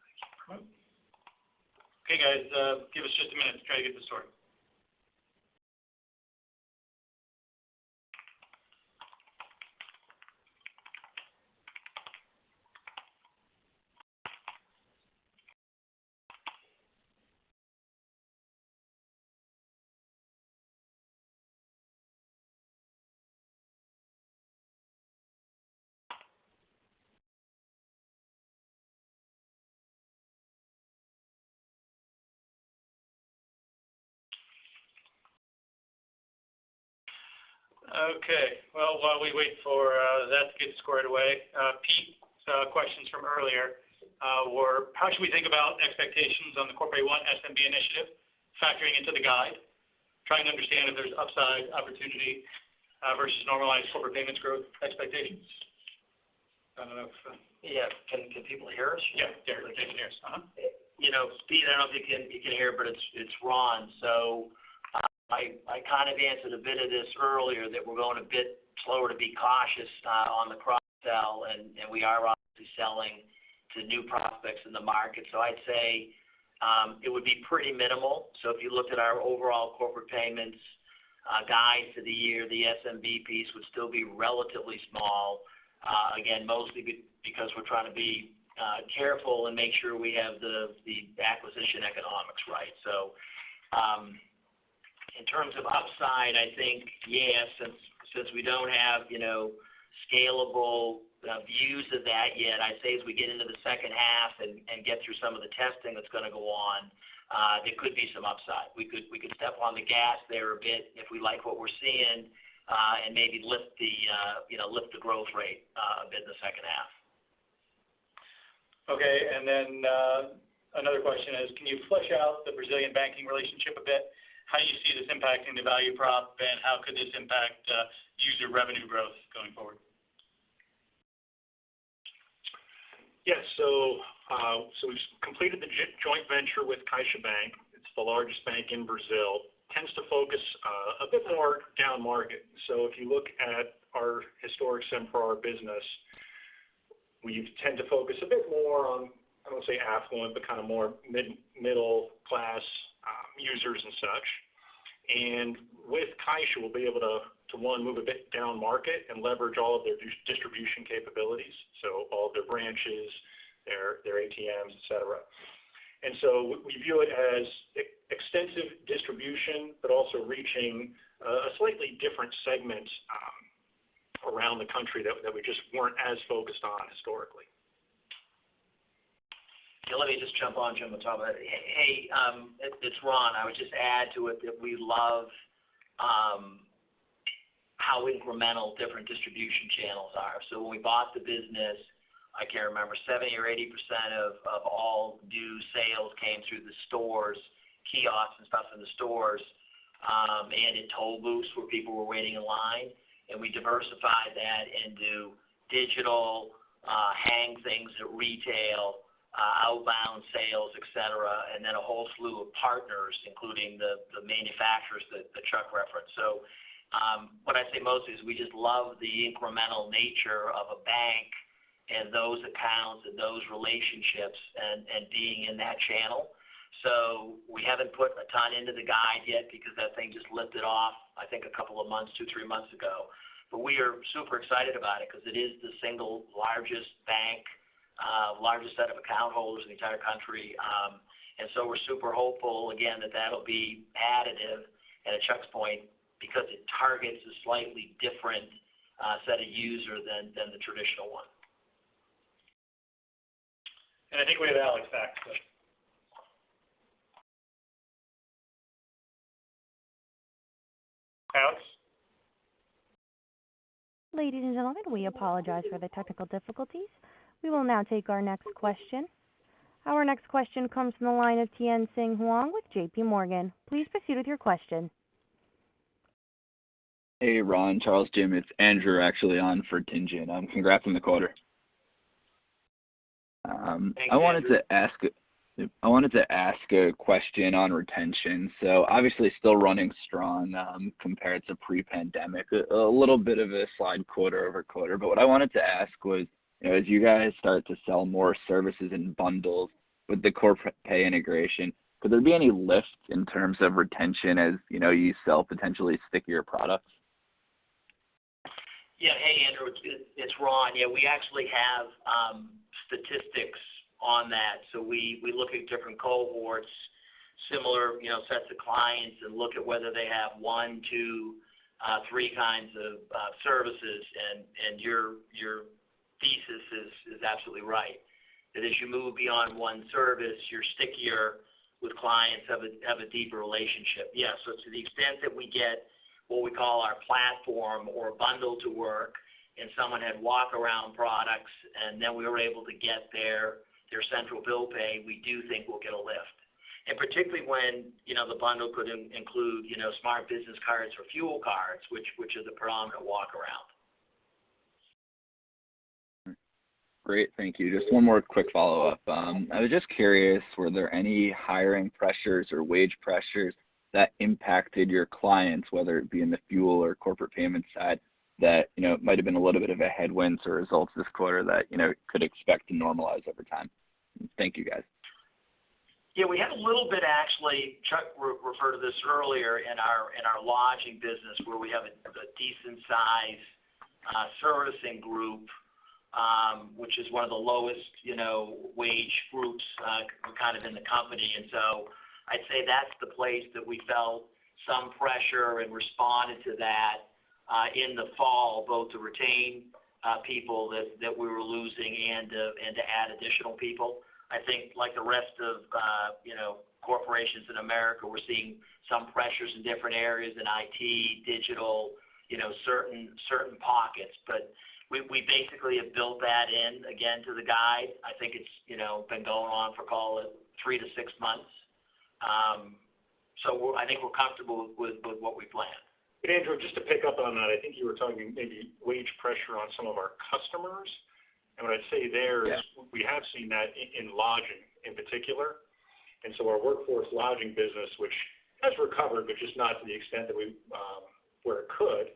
I can't promote. Okay, guys, give us just a minute to try to get this sorted. Okay. Well, while we wait for that to get squared away, Pete, questions from earlier were how should we think about expectations on the Corpay One SMB initiative factoring into the guide. Trying to understand if there's upside opportunity versus normalized corporate payments growth expectations. I don't know if Yeah. Can people hear us? Yeah. They can hear us. You know, Pete, I don't know if you can hear, but it's Ron. I kind of answered a bit of this earlier that we're going a bit slower to be cautious on the cross-sell and we are obviously selling to new prospects in the market. I'd say it would be pretty minimal. If you looked at our overall corporate payments guide for the year, the SMB piece would still be relatively small, again, mostly because we're trying to be careful and make sure we have the acquisition economics right. In terms of upside, I think, yeah, since we don't have, you know, scalable views of that yet, I'd say as we get into the second half and get through some of the testing that's gonna go on, there could be some upside. We could step on the gas there a bit if we like what we're seeing, and maybe lift the growth rate a bit in the second half. Okay, another question is can you flesh out the Brazilian banking relationship a bit? How you see this impacting the value prop and how could this impact user revenue growth going forward? Yes. We've completed the joint venture with CAIXA. It's the largest bank in Brazil. It tends to focus a bit more down market. If you look at our historic Sem Parar business, we tend to focus a bit more on, I don't want to say affluent, but kind of more middle class users and such. With Caixa, we'll be able to one, move a bit down market and leverage all of their distribution capabilities, so all of their branches, their ATMs, et cetera. We view it as extensive distribution, but also reaching a slightly different segment around the country that we just weren't as focused on historically. Yeah. Let me just jump on, Jim, and talk about it. Hey, it's Ron. I would just add to it that we love how incremental different distribution channels are. When we bought the business, I can't remember, 70% or 80% of all new sales came through the stores, kiosks and stuff in the stores, and in toll booths where people were waiting in line. We diversified that into digital, hang things at retail, outbound sales, et cetera, and then a whole slew of partners, including the manufacturers that Charles referenced. What I'd say mostly is we just love the incremental nature of a bank and those accounts and those relationships and being in that channel. We haven't put a ton into the guide yet because that thing just lifted off a couple of months, two, three months ago. We are super excited about it because it is the single largest bank, largest set of account holders in the entire country. We're super hopeful again that that'll be additive at a checkpoint because it targets a slightly different set of users than the traditional one. I think we have Alex back, so. Alex? Ladies and gentlemen, we apologize for the technical difficulties. We will now take our next question. Our next question comes from the line of Tien-Tsin Huang with J.P. Morgan. Please proceed with your question. Hey, Ron, Charles, Jim, it's Andrew actually on for Tien-Tsin. Congrats on the quarter. Thanks, Andrew. I wanted to ask a question on retention. Obviously still running strong, compared to pre-pandemic. A little bit of a slide quarter-over-quarter. But what I wanted to ask was, you know, as you guys start to sell more services in bundles with the Corpay integration, could there be any lift in terms of retention as, you know, you sell potentially stickier products? Yeah. Hey, Andrew. It's Ron. Yeah, we actually have statistics on that. So we look at different cohorts, similar, you know, sets of clients, and look at whether they have one, two, three kinds of services. And your thesis is absolutely right. That as you move beyond one service, you're stickier with clients, have a deeper relationship. Yeah. So to the extent that we get what we call our platform or bundle to work and someone had walk-around products and then we were able to get their central bill pay, we do think we'll get a lift. And particularly when, you know, the bundle could include, you know, smart business cards or fuel cards, which is a predominant walk-around. Great. Thank you. Just one more quick follow-up. I was just curious, were there any hiring pressures or wage pressures that impacted your clients, whether it be in the fuel or corporate payment side that, you know, might have been a little bit of a headwind to results this quarter that, you know, could expect to normalize over time? Thank you, guys. Yeah, we had a little bit actually. Charles referred to this earlier in our lodging business where we have a decent size servicing group, which is one of the lowest, you know, wage groups, kind of in the company. I'd say that's the place that we felt some pressure and responded to that in the fall, both to retain people that we were losing and to add additional people. I think like the rest of corporations in America, we're seeing some pressures in different areas in IT, digital, you know, certain pockets. We basically have built that in again to the guide. I think it's been going on for call it three to six months. I think we're comfortable with what we planned. Andrew, just to pick up on that. I think you were talking maybe wage pressure on some of our customers. What I'd say there is- Yeah. We have seen that in lodging in particular. Our workforce lodging business, which has recovered but just not to the extent where it could.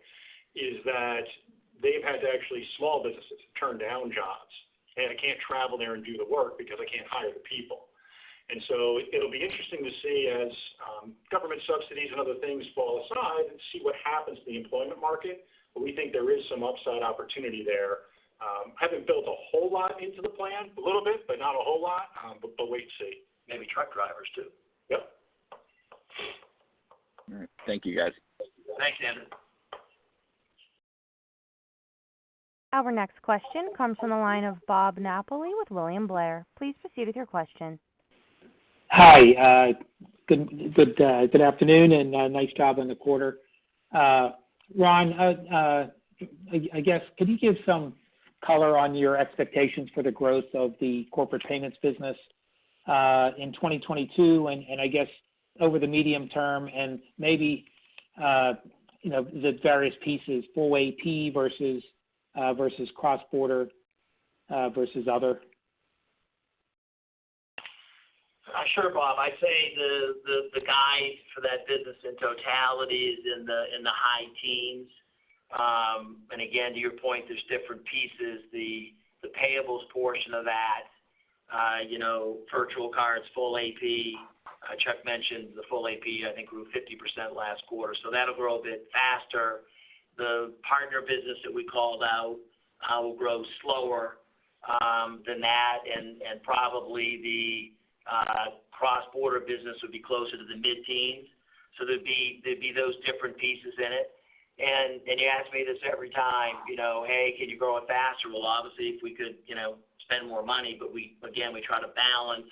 Small businesses have actually turned down jobs. They can't travel there and do the work because they can't hire the people. It'll be interesting to see as government subsidies and other things fall aside and see what happens to the employment market, but we think there is some upside opportunity there. Haven't built a whole lot into the plan, a little bit, but not a whole lot, but wait and see. Maybe truck drivers too. Yep. All right. Thank you, guys. Thanks, Andrew. Our next question comes from the line of Bob Napoli with William Blair. Please proceed with your question. Hi, good afternoon, and nice job on the quarter. Ron, I guess could you give some color on your expectations for the growth of the corporate payments business in 2022 and I guess over the medium term and maybe you know the various pieces, Full AP versus cross-border versus other? Sure, Bob. I'd say the guide for that business in totality is in the high teens. Again, to your point, there's different pieces. The payables portion of that, you know, Virtual Cards, Full AP. Charles mentioned the Full AP I think grew 50% last quarter, so that'll grow a bit faster. The partner business that we called out will grow slower than that. Probably the Cross-Border business would be closer to the mid-teens. There'd be those different pieces in it. You ask me this every time, you know, "Hey, can you grow it faster?" Well, obviously if we could, you know, spend more money. We try again to balance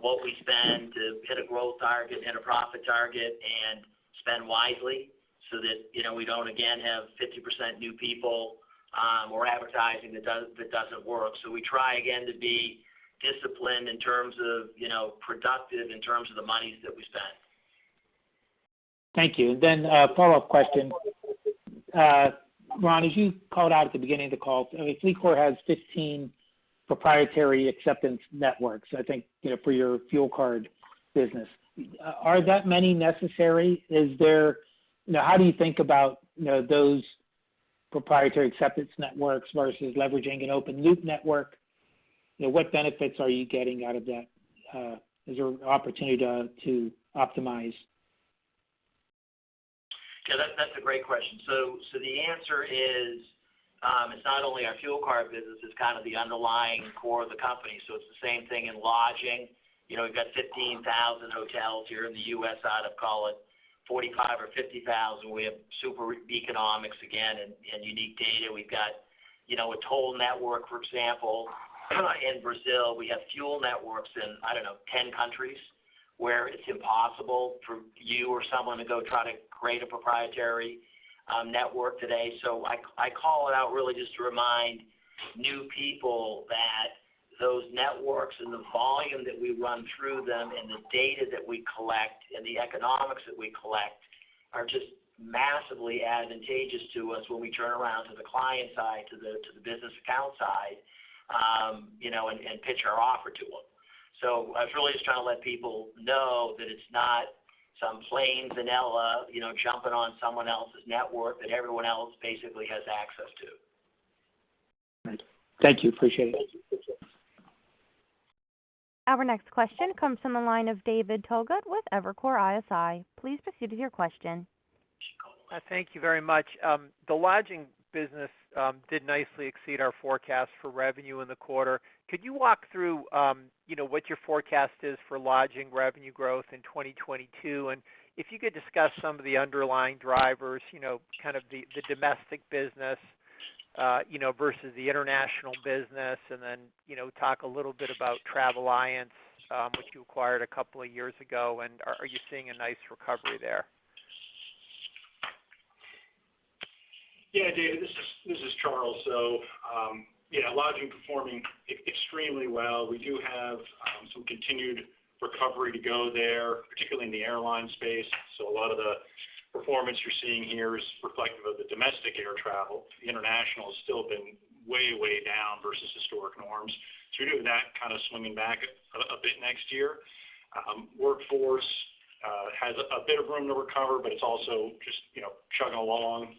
what we spend to hit a growth target, hit a profit target and spend wisely so that, you know, we don't again have 50% new people, or advertising that doesn't work. We try again to be disciplined in terms of, you know, productive in terms of the monies that we spend. Thank you. A follow-up question. Ron, as you called out at the beginning of the call, I mean, FLEETCOR has 15 proprietary acceptance networks, I think, you know, for your fuel card business. Are that many necessary? You know, how do you think about, you know, those proprietary acceptance networks versus leveraging an open loop network? You know, what benefits are you getting out of that? Is there an opportunity to optimize? That's a great question. The answer is, it's not only our fuel card business, it's kind of the underlying core of the company. It's the same thing in lodging. You know, we've got 15,000 hotels here in the U.S. out of, call it 45,000 or 50,000. We have super economics again and unique data. We've got, you know, a toll network, for example, in Brazil. We have fuel networks in, I don't know, 10 countries where it's impossible for you or someone to go try to create a proprietary network today. I call it out really just to remind new people that those networks and the volume that we run through them and the data that we collect and the economics that we collect are just massively advantageous to us when we turn around to the client side, to the business account side, you know, and pitch our offer to them. I was really just trying to let people know that it's not some plain vanilla, you know, jumping on someone else's network that everyone else basically has access to. Right. Thank you. Appreciate it. Thank you. Our next question comes from the line of David Togut with Evercore ISI. Please proceed with your question. Thank you very much. The lodging business did nicely exceed our forecast for revenue in the quarter. Could you walk through, you know, what your forecast is for lodging revenue growth in 2022? If you could discuss some of the underlying drivers, you know, kind of the domestic business, you know, versus the international business, and then, you know, talk a little bit about Travelliance, which you acquired a couple of years ago, and are you seeing a nice recovery there? Yeah, David, this is Charles. Lodging performing extremely well. We do have some continued recovery to go there, particularly in the airline space. A lot of the performance you're seeing here is reflective of the domestic air travel. The international has still been way down versus historic norms. We do have that kind of swinging back a bit next year. Workforce has a bit of room to recover, but it's also just, you know, chugging along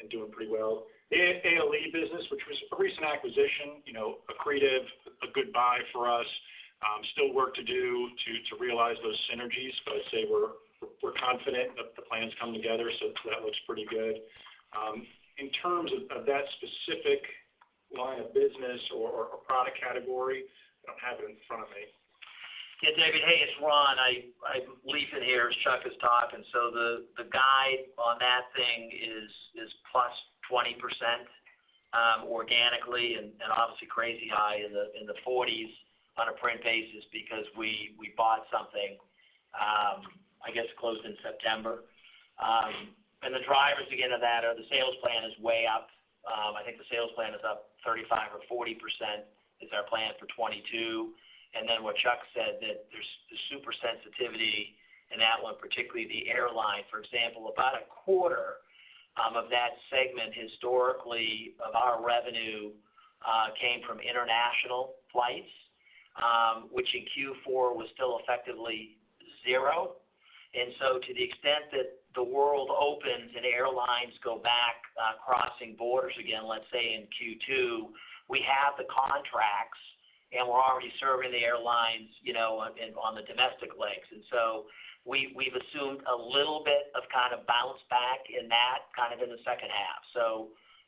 and doing pretty well. ALE business, which was a recent acquisition, you know, accretive, a good buy for us, still work to do to realize those synergies, but I'd say we're confident that the plan's coming together, so that looks pretty good. In terms of that specific line of business or product category, I don't have it in front of me. Yeah, David, hey, it's Ron. I'm leaping here as Charles is talking. The guide on that thing is +20% organically and obviously crazy high in the 40s on a print basis because we bought something, I guess closed in September. The drivers again of that are the sales plan is way up. I think the sales plan is up 35% or 40% is our plan for 2022. What Charles said that there's the super sensitivity in that one, particularly the airline. For example, about a quarter of that segment historically of our revenue came from international flights, which in Q4 was still effectively zero. To the extent that the world opens and airlines go back, crossing borders again, let's say in Q2, we have the contracts, and we're already serving the airlines, you know, on the domestic legs. We've assumed a little bit of kind of bounce back in that kind of in the second half.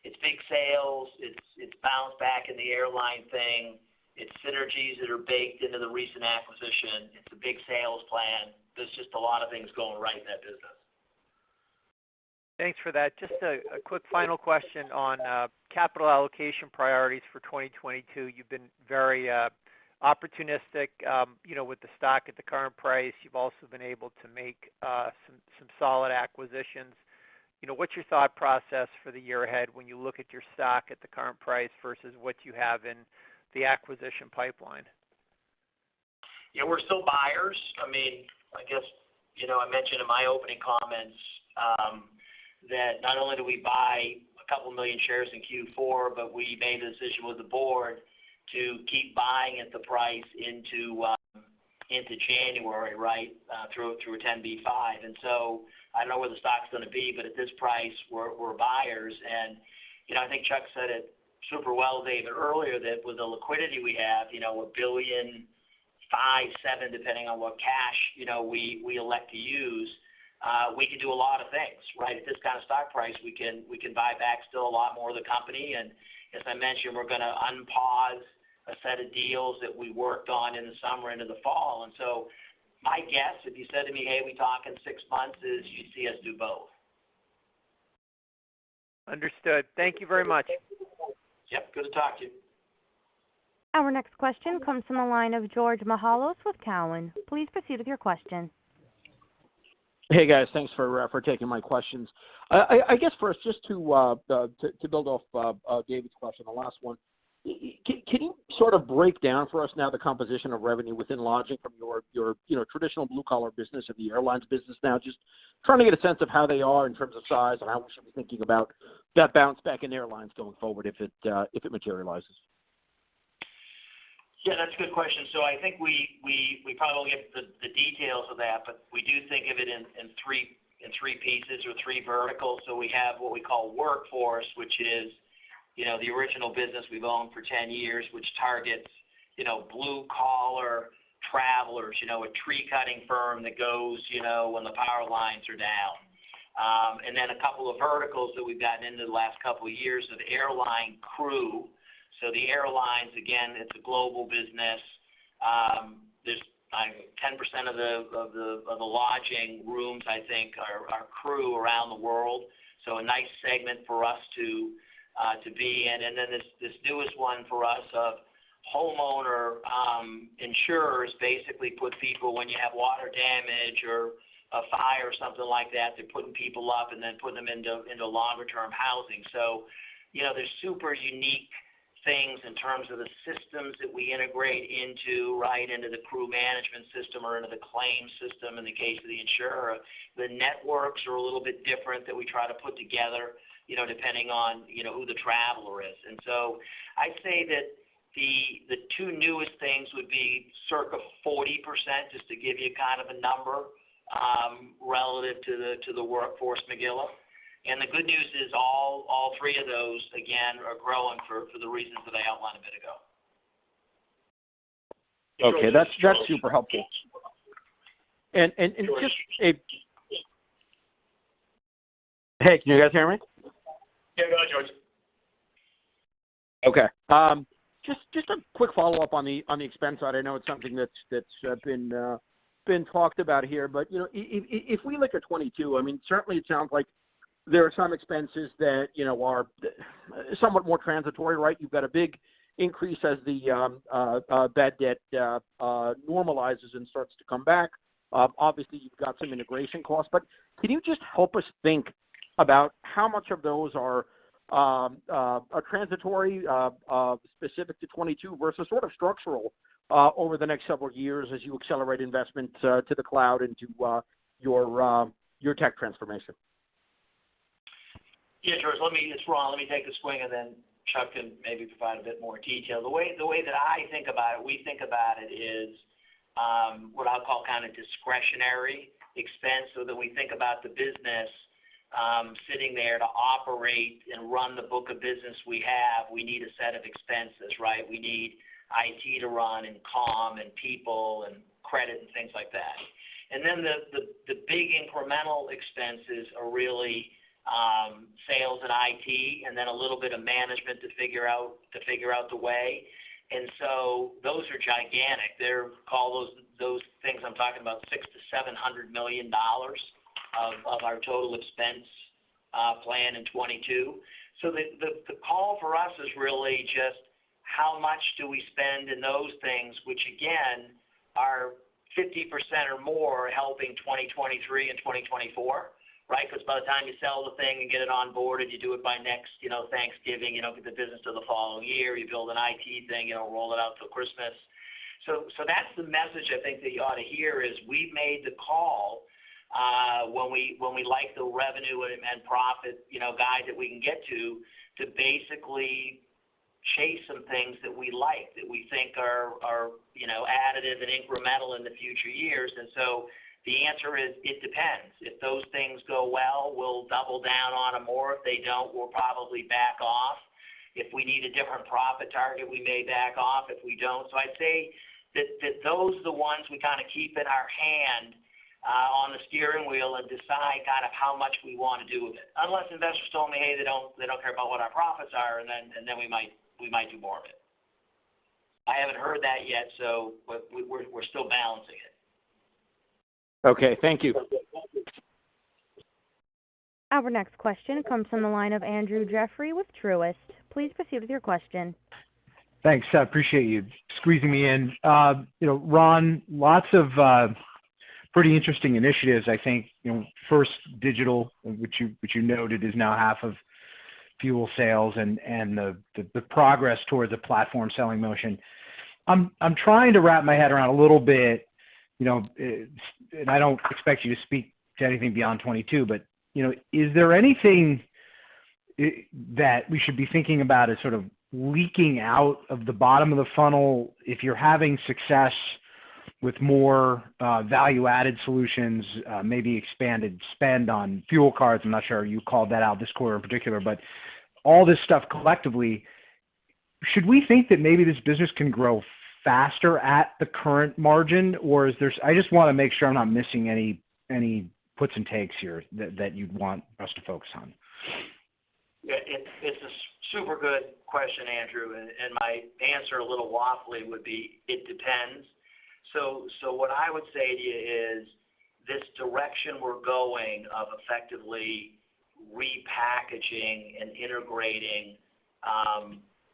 It's big sales. It's bounce back in the airline thing. It's synergies that are baked into the recent acquisition. It's a big sales plan. There's just a lot of things going right in that business. Thanks for that. Just a quick final question on capital allocation priorities for 2022. You've been very opportunistic, you know, with the stock at the current price. You've also been able to make some solid acquisitions. You know, what's your thought process for the year ahead when you look at your stock at the current price versus what you have in the acquisition pipeline? Yeah, we're still buyers. I mean, I guess, you know, I mentioned in my opening comments that not only did we buy a couple million shares in Q4, but we made the decision with the board to keep buying at the price into January through a 10b5-1. I don't know where the stock's gonna be, but at this price, we're buyers. You know, I think Charles said it super well, David, earlier that with the liquidity we have, you know, $1.5 billion-$7 billion, depending on what cash we elect to use, we can do a lot of things. At this kind of stock price, we can buy back still a lot more of the company. As I mentioned, we're gonna unpause a set of deals that we worked on in the summer into the fall. My guess, if you said to me, "Hey, we talk in six months," is you see us do both. Understood. Thank you very much. Yep. Good to talk to you. Our next question comes from the line of George Mihalos with Cowen. Please proceed with your question. Hey, guys. Thanks for taking my questions. I guess first, just to build off David's question, the last one, can you sort of break down for us now the composition of revenue within lodging from your, you know, traditional blue collar business or the airlines business now? Just trying to get a sense of how they are in terms of size, and how we should be thinking about that bounce back in airlines going forward if it materializes. Yeah, that's a good question. I think we probably won't get into the details of that, but we do think of it in three pieces or three verticals. We have what we call workforce, which is you know, the original business we've owned for 10 years, which targets you know, blue-collar travelers, you know, a tree-cutting firm that goes you know, when the power lines are down. And then a couple of verticals that we've gotten into the last couple of years of airline crew. The airlines, again, it's a global business. There's I think 10% of the lodging rooms I think are crew around the world. A nice segment for us to be in. This newest one for us of homeowner insurers basically put people when you have water damage or a fire or something like that. They're putting people up and then putting them into longer term housing. You know, they're super unique things in terms of the systems that we integrate into, right into the crew management system or into the claim system in the case of the insurer. The networks are a little bit different that we try to put together, you know, depending on, you know, who the traveler is. I'd say that the two newest things would be circa 40%, just to give you kind of a number, relative to the workforce, [Magilla]. The good news is all three of those, again, are growing for the reasons that I outlined a minute ago. Okay. That's super helpful. Hey, can you guys hear me? Yeah, go ahead, George. Okay. Just a quick follow-up on the expense side. I know it's something that's been talked about here. You know, if we look at 2022, I mean, certainly it sounds like there are some expenses that, you know, are somewhat more transitory, right? You've got a big increase as the bad debt normalizes and starts to come back. Obviously you've got some integration costs. Can you just help us think about how much of those are transitory, specific to 2022 versus sort of structural over the next several years as you accelerate investment to the cloud and to your tech transformation? Yeah, George. It's Ron. Let me take a swing, and then Charles can maybe provide a bit more detail. The way that I think about it, we think about it is what I'll call kind of discretionary expense, so that we think about the business sitting there to operate and run the book of business we have. We need a set of expenses, right? We need IT to run and comms and people and credit and things like that. Then the big incremental expenses are really sales and IT, and then a little bit of management to figure out the way. Those are gigantic. They're the things I'm talking about $600 million-$700 million of our total expense plan in 2022. The call for us is really just how much do we spend in those things, which again, are 50% or more helping 2023 and 2024, right? Because by the time you sell the thing and get it on board and you do it by next, you know, Thanksgiving, you don't get the business till the following year. You build an IT thing, you know, roll it out till Christmas. That's the message I think that you ought to hear is we've made the call when we like the revenue and profit, you know, guide that we can get to to basically chase some things that we like that we think are, you know, additive and incremental in the future years. The answer is, it depends. If those things go well, we'll double down on them more. If they don't, we'll probably back off. If we need a different profit target, we may back off, if we don't. I'd say that those are the ones we kinda keep in our hand, on the steering wheel and decide kind of how much we wanna do with it. Unless investors tell me, hey, they don't care about what our profits are, and then we might do more of it. I haven't heard that yet, but we're still balancing it. Okay, thank you. Our next question comes from the line of Andrew Jeffrey with Truist. Please proceed with your question. Thanks. I appreciate you squeezing me in. You know, Ron, lots of pretty interesting initiatives, I think. You know, first digital, which you noted is now half of fuel sales and the progress towards a platform selling motion. I'm trying to wrap my head around a little bit, you know, and I don't expect you to speak to anything beyond 2022, but you know, is there anything that we should be thinking about as sort of leaking out of the bottom of the funnel? If you're having success with more value-added solutions, maybe expanded spend on fuel cards, I'm not sure you called that out this quarter in particular. All this stuff collectively, should we think that maybe this business can grow faster at the current margin, or is there... I just wanna make sure I'm not missing any puts and takes here that you'd want us to focus on. It's a super good question, Andrew, and my answer, a little waffly, would be, it depends. What I would say to you is this direction we're going of effectively repackaging and integrating,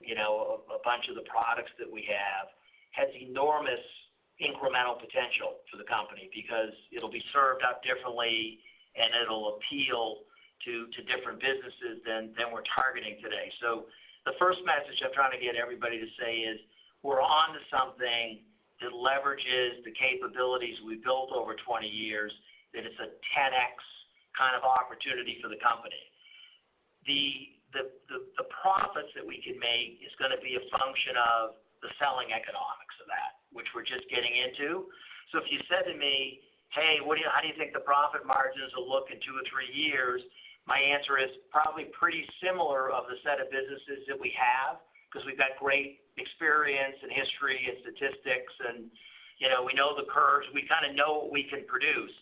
you know, a bunch of the products that we have has enormous incremental potential to the company because it'll be served up differently and it'll appeal to different businesses than we're targeting today. The first message I'm trying to get everybody to say is, we're onto something that leverages the capabilities we've built over 20 years, that it's a 10x kind of opportunity for the company. The profits that we can make is gonna be a function of the selling economics. Just getting into. If you said to me, "Hey, how do you think the profit margins will look in two or three years?" My answer is probably pretty similar of the set of businesses that we have because we've got great experience and history and statistics and, you know, we know the curves. We kinda know what we can produce.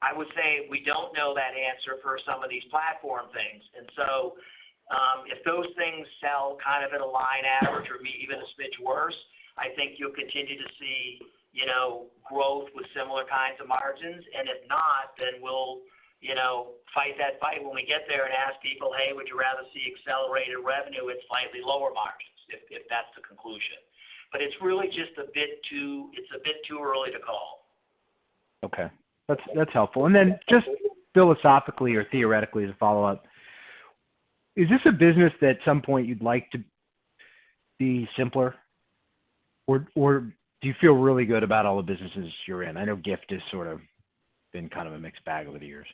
I would say we don't know that answer for some of these platform things. If those things sell kind of at a line average or may even a smidge worse, I think you'll continue to see, you know, growth with similar kinds of margins. If not, then we'll, you know, fight that fight when we get there and ask people, "Hey, would you rather see accelerated revenue with slightly lower margins?" If that's the conclusion. It's really just a bit too early to call. Okay. That's helpful. Just philosophically or theoretically as a follow-up, is this a business that at some point you'd like to be simpler? Do you feel really good about all the businesses you're in? I know Gift has sort of been kind of a mixed bag over the years.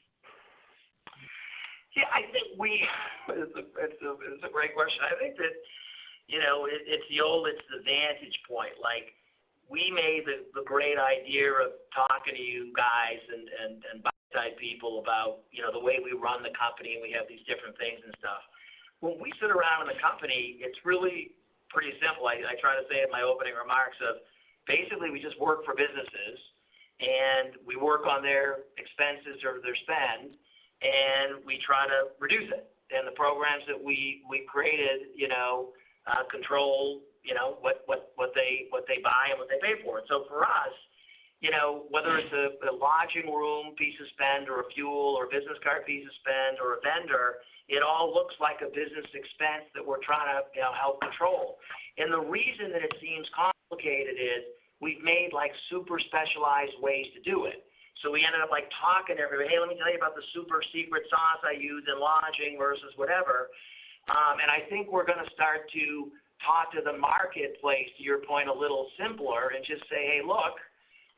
Yeah, I think it's a great question. I think that, you know, it's the old vantage point. Like, we made the great idea of talking to you guys and buy-side people about, you know, the way we run the company and we have these different things and stuff. When we sit around in the company, it's really pretty simple. I try to say in my opening remarks basically we just work for businesses, and we work on their expenses or their spend, and we try to reduce it. The programs that we've created, you know, control what they buy and what they pay for it. For us, you know, whether it's a lodging room piece of spend or a fuel or business card piece of spend or a vendor, it all looks like a business expense that we're trying to, you know, help control. The reason that it seems complicated is we've made like super specialized ways to do it. We ended up like talking to everybody, "Hey, let me tell you about the super secret sauce I use in lodging versus whatever." I think we're gonna start to talk to the marketplace, to your point, a little simpler and just say, "Hey, look,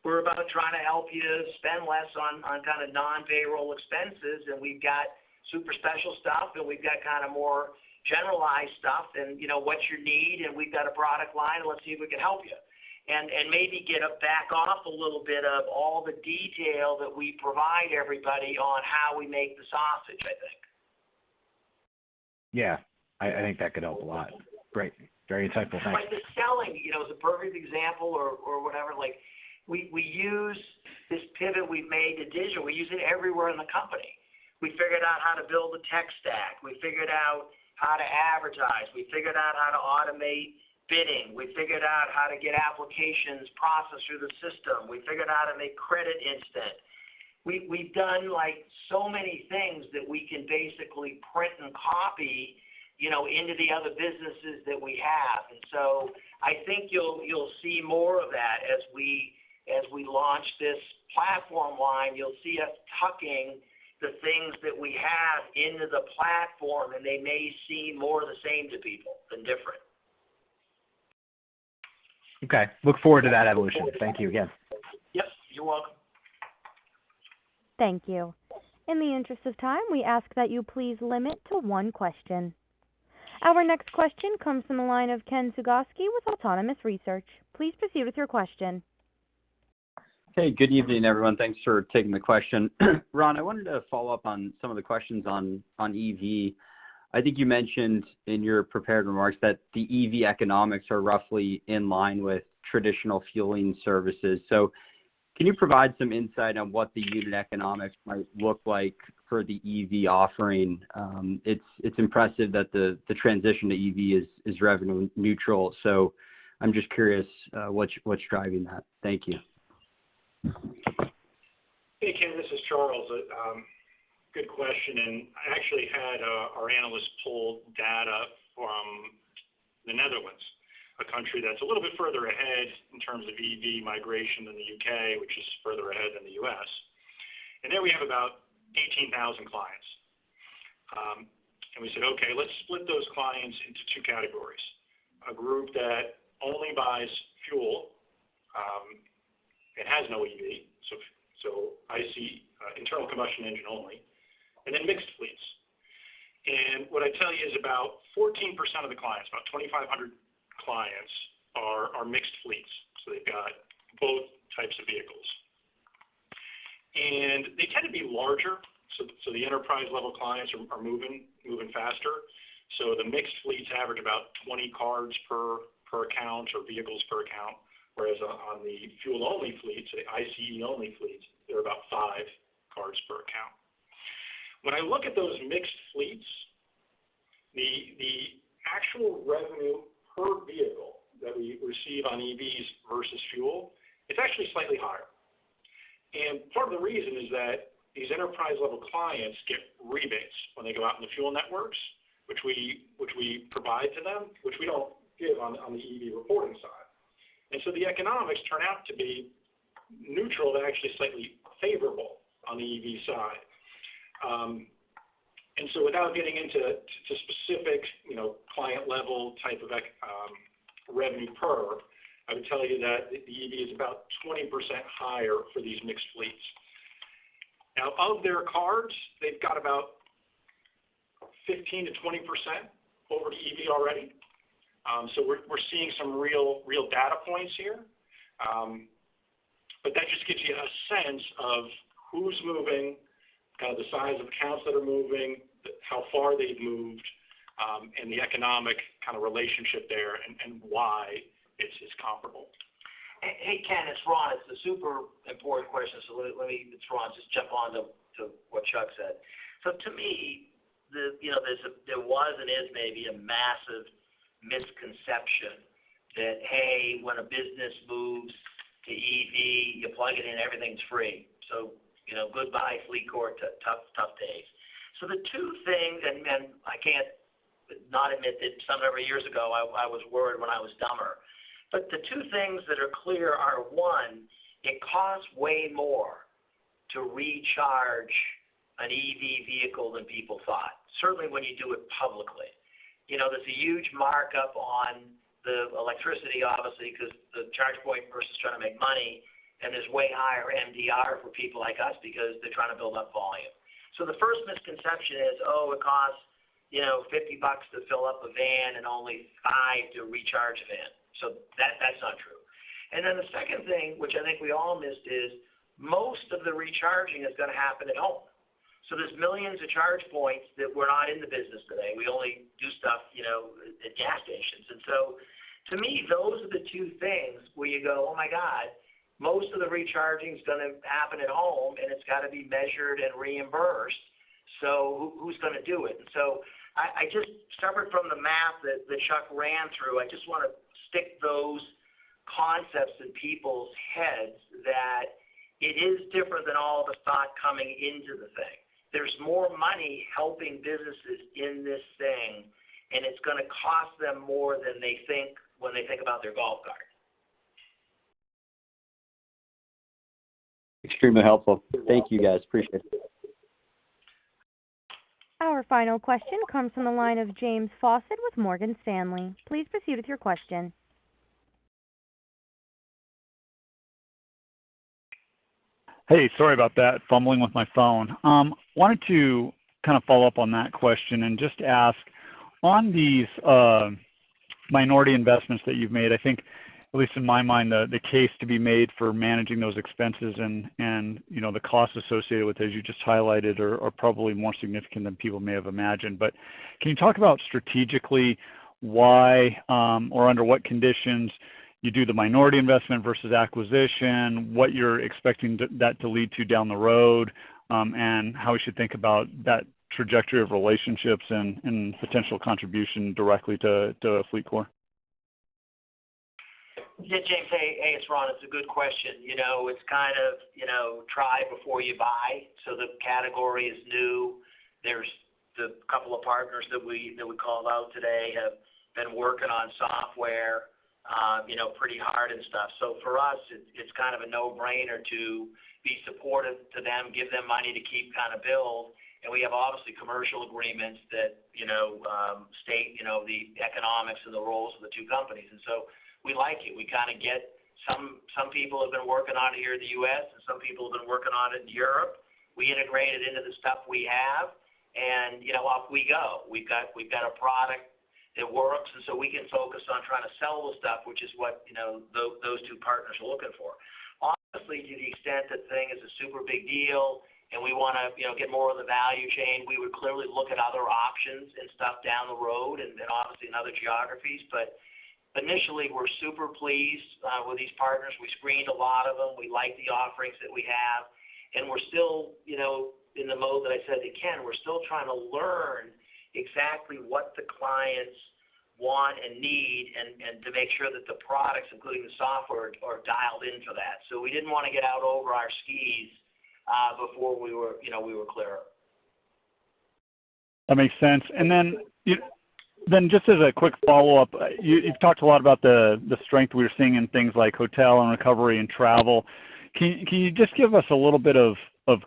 we're about trying to help you spend less on kind of non-payroll expenses, and we've got super special stuff, and we've got kind of more generalized stuff, and you know what's your need, and we've got a product line. Let's see if we can help you." Maybe back off a little bit of all the detail that we provide everybody on how we make the sausage, I think. Yeah. I think that could help a lot. Great. Very insightful. Thanks. Like the selling, you know, is a perfect example or whatever. Like, we use this pivot we've made to digital. We use it everywhere in the company. We figured out how to build a tech stack. We figured out how to advertise. We figured out how to automate bidding. We figured out how to get applications processed through the system. We figured how to make credit instant. We've done like so many things that we can basically print and copy, you know, into the other businesses that we have. I think you'll see more of that as we launch this platform line. You'll see us tucking the things that we have into the platform, and they may seem more the same to people than different. Okay. Look forward to that evolution. Thank you again. Yep, you're welcome. Thank you. In the interest of time, we ask that you please limit to one question. Our next question comes from the line of Ken Suchoski with Autonomous Research. Please proceed with your question. Hey, good evening, everyone. Thanks for taking the question. Ron, I wanted to follow up on some of the questions on EV. I think you mentioned in your prepared remarks that the EV economics are roughly in line with traditional fueling services. Can you provide some insight on what the unit economics might look like for the EV offering? It's impressive that the transition to EV is revenue neutral. I'm just curious, what's driving that. Thank you. Hey, Ken, this is Charles. Good question. I actually had our analysts pull data from the Netherlands, a country that's a little bit further ahead in terms of EV migration than the U.K., which is further ahead than the U.S. There we have about 18,000 clients. We said, "Okay, let's split those clients into two categories, a group that only buys fuel and has no EV, so ICE, internal combustion engine only, and then mixed fleets." What I'd tell you is about 14% of the clients, about 2,500 clients are mixed fleets, so they've got both types of vehicles. They tend to be larger, so the enterprise-level clients are moving faster. The mixed fleets average about 20 cars per account or vehicles per account, whereas on the fuel-only fleets, the ICE-only fleets, there are about 5 cars per account. When I look at those mixed fleets, the actual revenue per vehicle that we receive on EVs versus fuel, it's actually slightly higher. Part of the reason is that these enterprise-level clients get rebates when they go out in the fuel networks, which we provide to them, which we don't give on the EV reporting side. The economics turn out to be neutral. They're actually slightly favorable on the EV side. Without getting into specific, you know, client-level type of revenue per, I would tell you that the EV is about 20% higher for these mixed fleets. Now, of their cars, they've got about 15%-20% over to EV already. We're seeing some real data points here. That just gives you a sense of who's moving, kind of the size of accounts that are moving, the how far they've moved, and the economic kind of relationship there and why it's comparable. Hey, Ken, it's Ron. It's a super important question, so let me just jump on to what Charles said. To me, you know, there was and is maybe a massive misconception that, hey, when a business moves to EV, you plug it in, everything's free. You know, goodbye, FLEETCOR, tough days. The two things, and I can't not admit that some number of years ago, I was worried when I was dumber. The two things that are clear are, one, it costs way more to recharge an EV vehicle than people thought, certainly when you do it publicly. You know, there's a huge markup on the electricity, obviously, 'cause the charge point person's trying to make money, and there's way higher MDR for people like us because they're trying to build up volume. The first misconception is, oh, it costs, you know, $50 to fill up a van and only $5 to recharge a van. That's not true. The second thing, which I think we all missed, is most of the recharging is gonna happen at home. There's millions of charge points that we're not in the business today. We only do stuff, you know, at gas stations. To me, those are the two things where you go, "Oh my god, most of the recharging is gonna happen at home, and it's gotta be measured and reimbursed, so who's gonna do it?" I just separate from the math that Charles ran through. I just wanna stick those concepts in people's heads that it is different than all the thought coming into the thing. There's more money helping businesses in this thing, and it's gonna cost them more than they think when they think about their golf cart. Extremely helpful. Thank you, guys. Appreciate it. Our final question comes from the line of James Faucette with Morgan Stanley. Please proceed with your question. Hey, sorry about that. Fumbling with my phone. Wanted to kind of follow up on that question and just ask, on these minority investments that you've made, I think, at least in my mind, the case to be made for managing those expenses and you know the costs associated with, as you just highlighted, are probably more significant than people may have imagined. Can you talk about strategically why or under what conditions you do the minority investment versus acquisition, what you're expecting that to lead to down the road and how we should think about that trajectory of relationships and potential contribution directly to FLEETCOR? Yeah, James. Hey, it's Ron. It's a good question. You know, it's kind of, you know, try before you buy. The category is new. There's a couple of partners that we called out today have been working on software, you know, pretty hard and stuff. For us, it's a no-brainer to be supportive to them, give them money to keep kind of build. We have, obviously, commercial agreements that, you know, state the economics and the roles of the two companies. We like it. We kinda get some people have been working on it here in the U.S., and some people have been working on it in Europe. We integrate it into the stuff we have, and, you know, off we go. We've got a product that works, and so we can focus on trying to sell the stuff, which is what, you know, those two partners are looking for. Honestly, to the extent that the thing is a super big deal, and we wanna, you know, get more of the value chain, we would clearly look at other options and stuff down the road and obviously in other geographies. Initially, we're super pleased with these partners. We screened a lot of them. We like the offerings that we have. We're still, you know, in the mode that I said to Ken, we're still trying to learn exactly what the clients want and need and to make sure that the products, including the software, are dialed into that. We didn't wanna get out over our skis before we were, you know, clearer. That makes sense. Just as a quick follow-up, you've talked a lot about the strength we were seeing in things like hotel and recovery and travel. Can you just give us a little bit of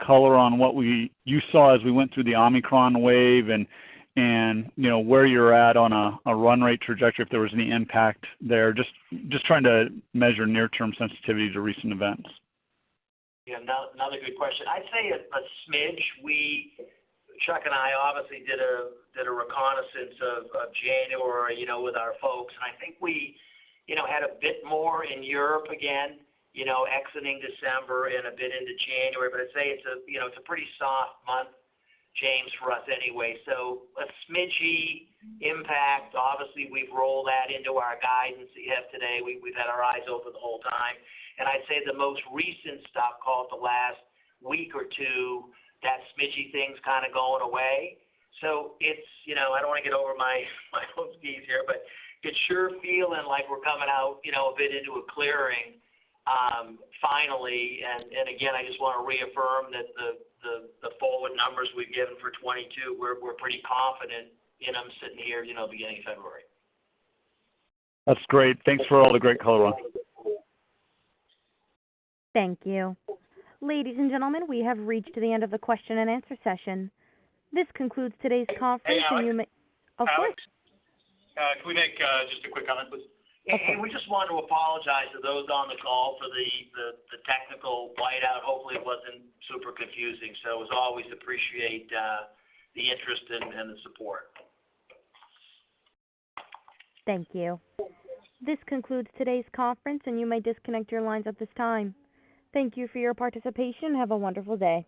color on what you saw as we went through the Omicron wave and, you know, where you're at on a run rate trajectory, if there was any impact there? Just trying to measure near-term sensitivity to recent events. Yeah. Another good question. I'd say a smidge. Charles and I obviously did a reconnaissance of January, you know, with our folks, and I think we, you know, had a bit more in Europe again, you know, exiting December and a bit into January. I'd say it's a pretty soft month, James, for us anyway. A smidge-y impact. Obviously, we've rolled that into our guidance as of today. We've had our eyes open the whole time. I'd say the most recent talk in the last week or two, that smidge-y thing's kinda going away. It's, you know, I don't wanna get over my skis here, but it's sure feeling like we're coming out, you know, a bit into a clearing, finally. Again, I just wanna reaffirm that the forward numbers we've given for 2022, we're pretty confident in them sitting here, you know, beginning of February.f That's great. Thanks for all the great color. Thank you. Ladies and gentlemen, we have reached the end of the question and answer session. This concludes today's conference, and you may- Hey, Alex. Of course. Alex, can we make just a quick comment, please? Yeah. Hey, we just want to apologize to those on the call for the technical whiteout. Hopefully, it wasn't super confusing. As always, we appreciate the interest and the support. Thank you. This concludes today's conference, and you may disconnect your lines at this time. Thank you for your participation. Have a wonderful day.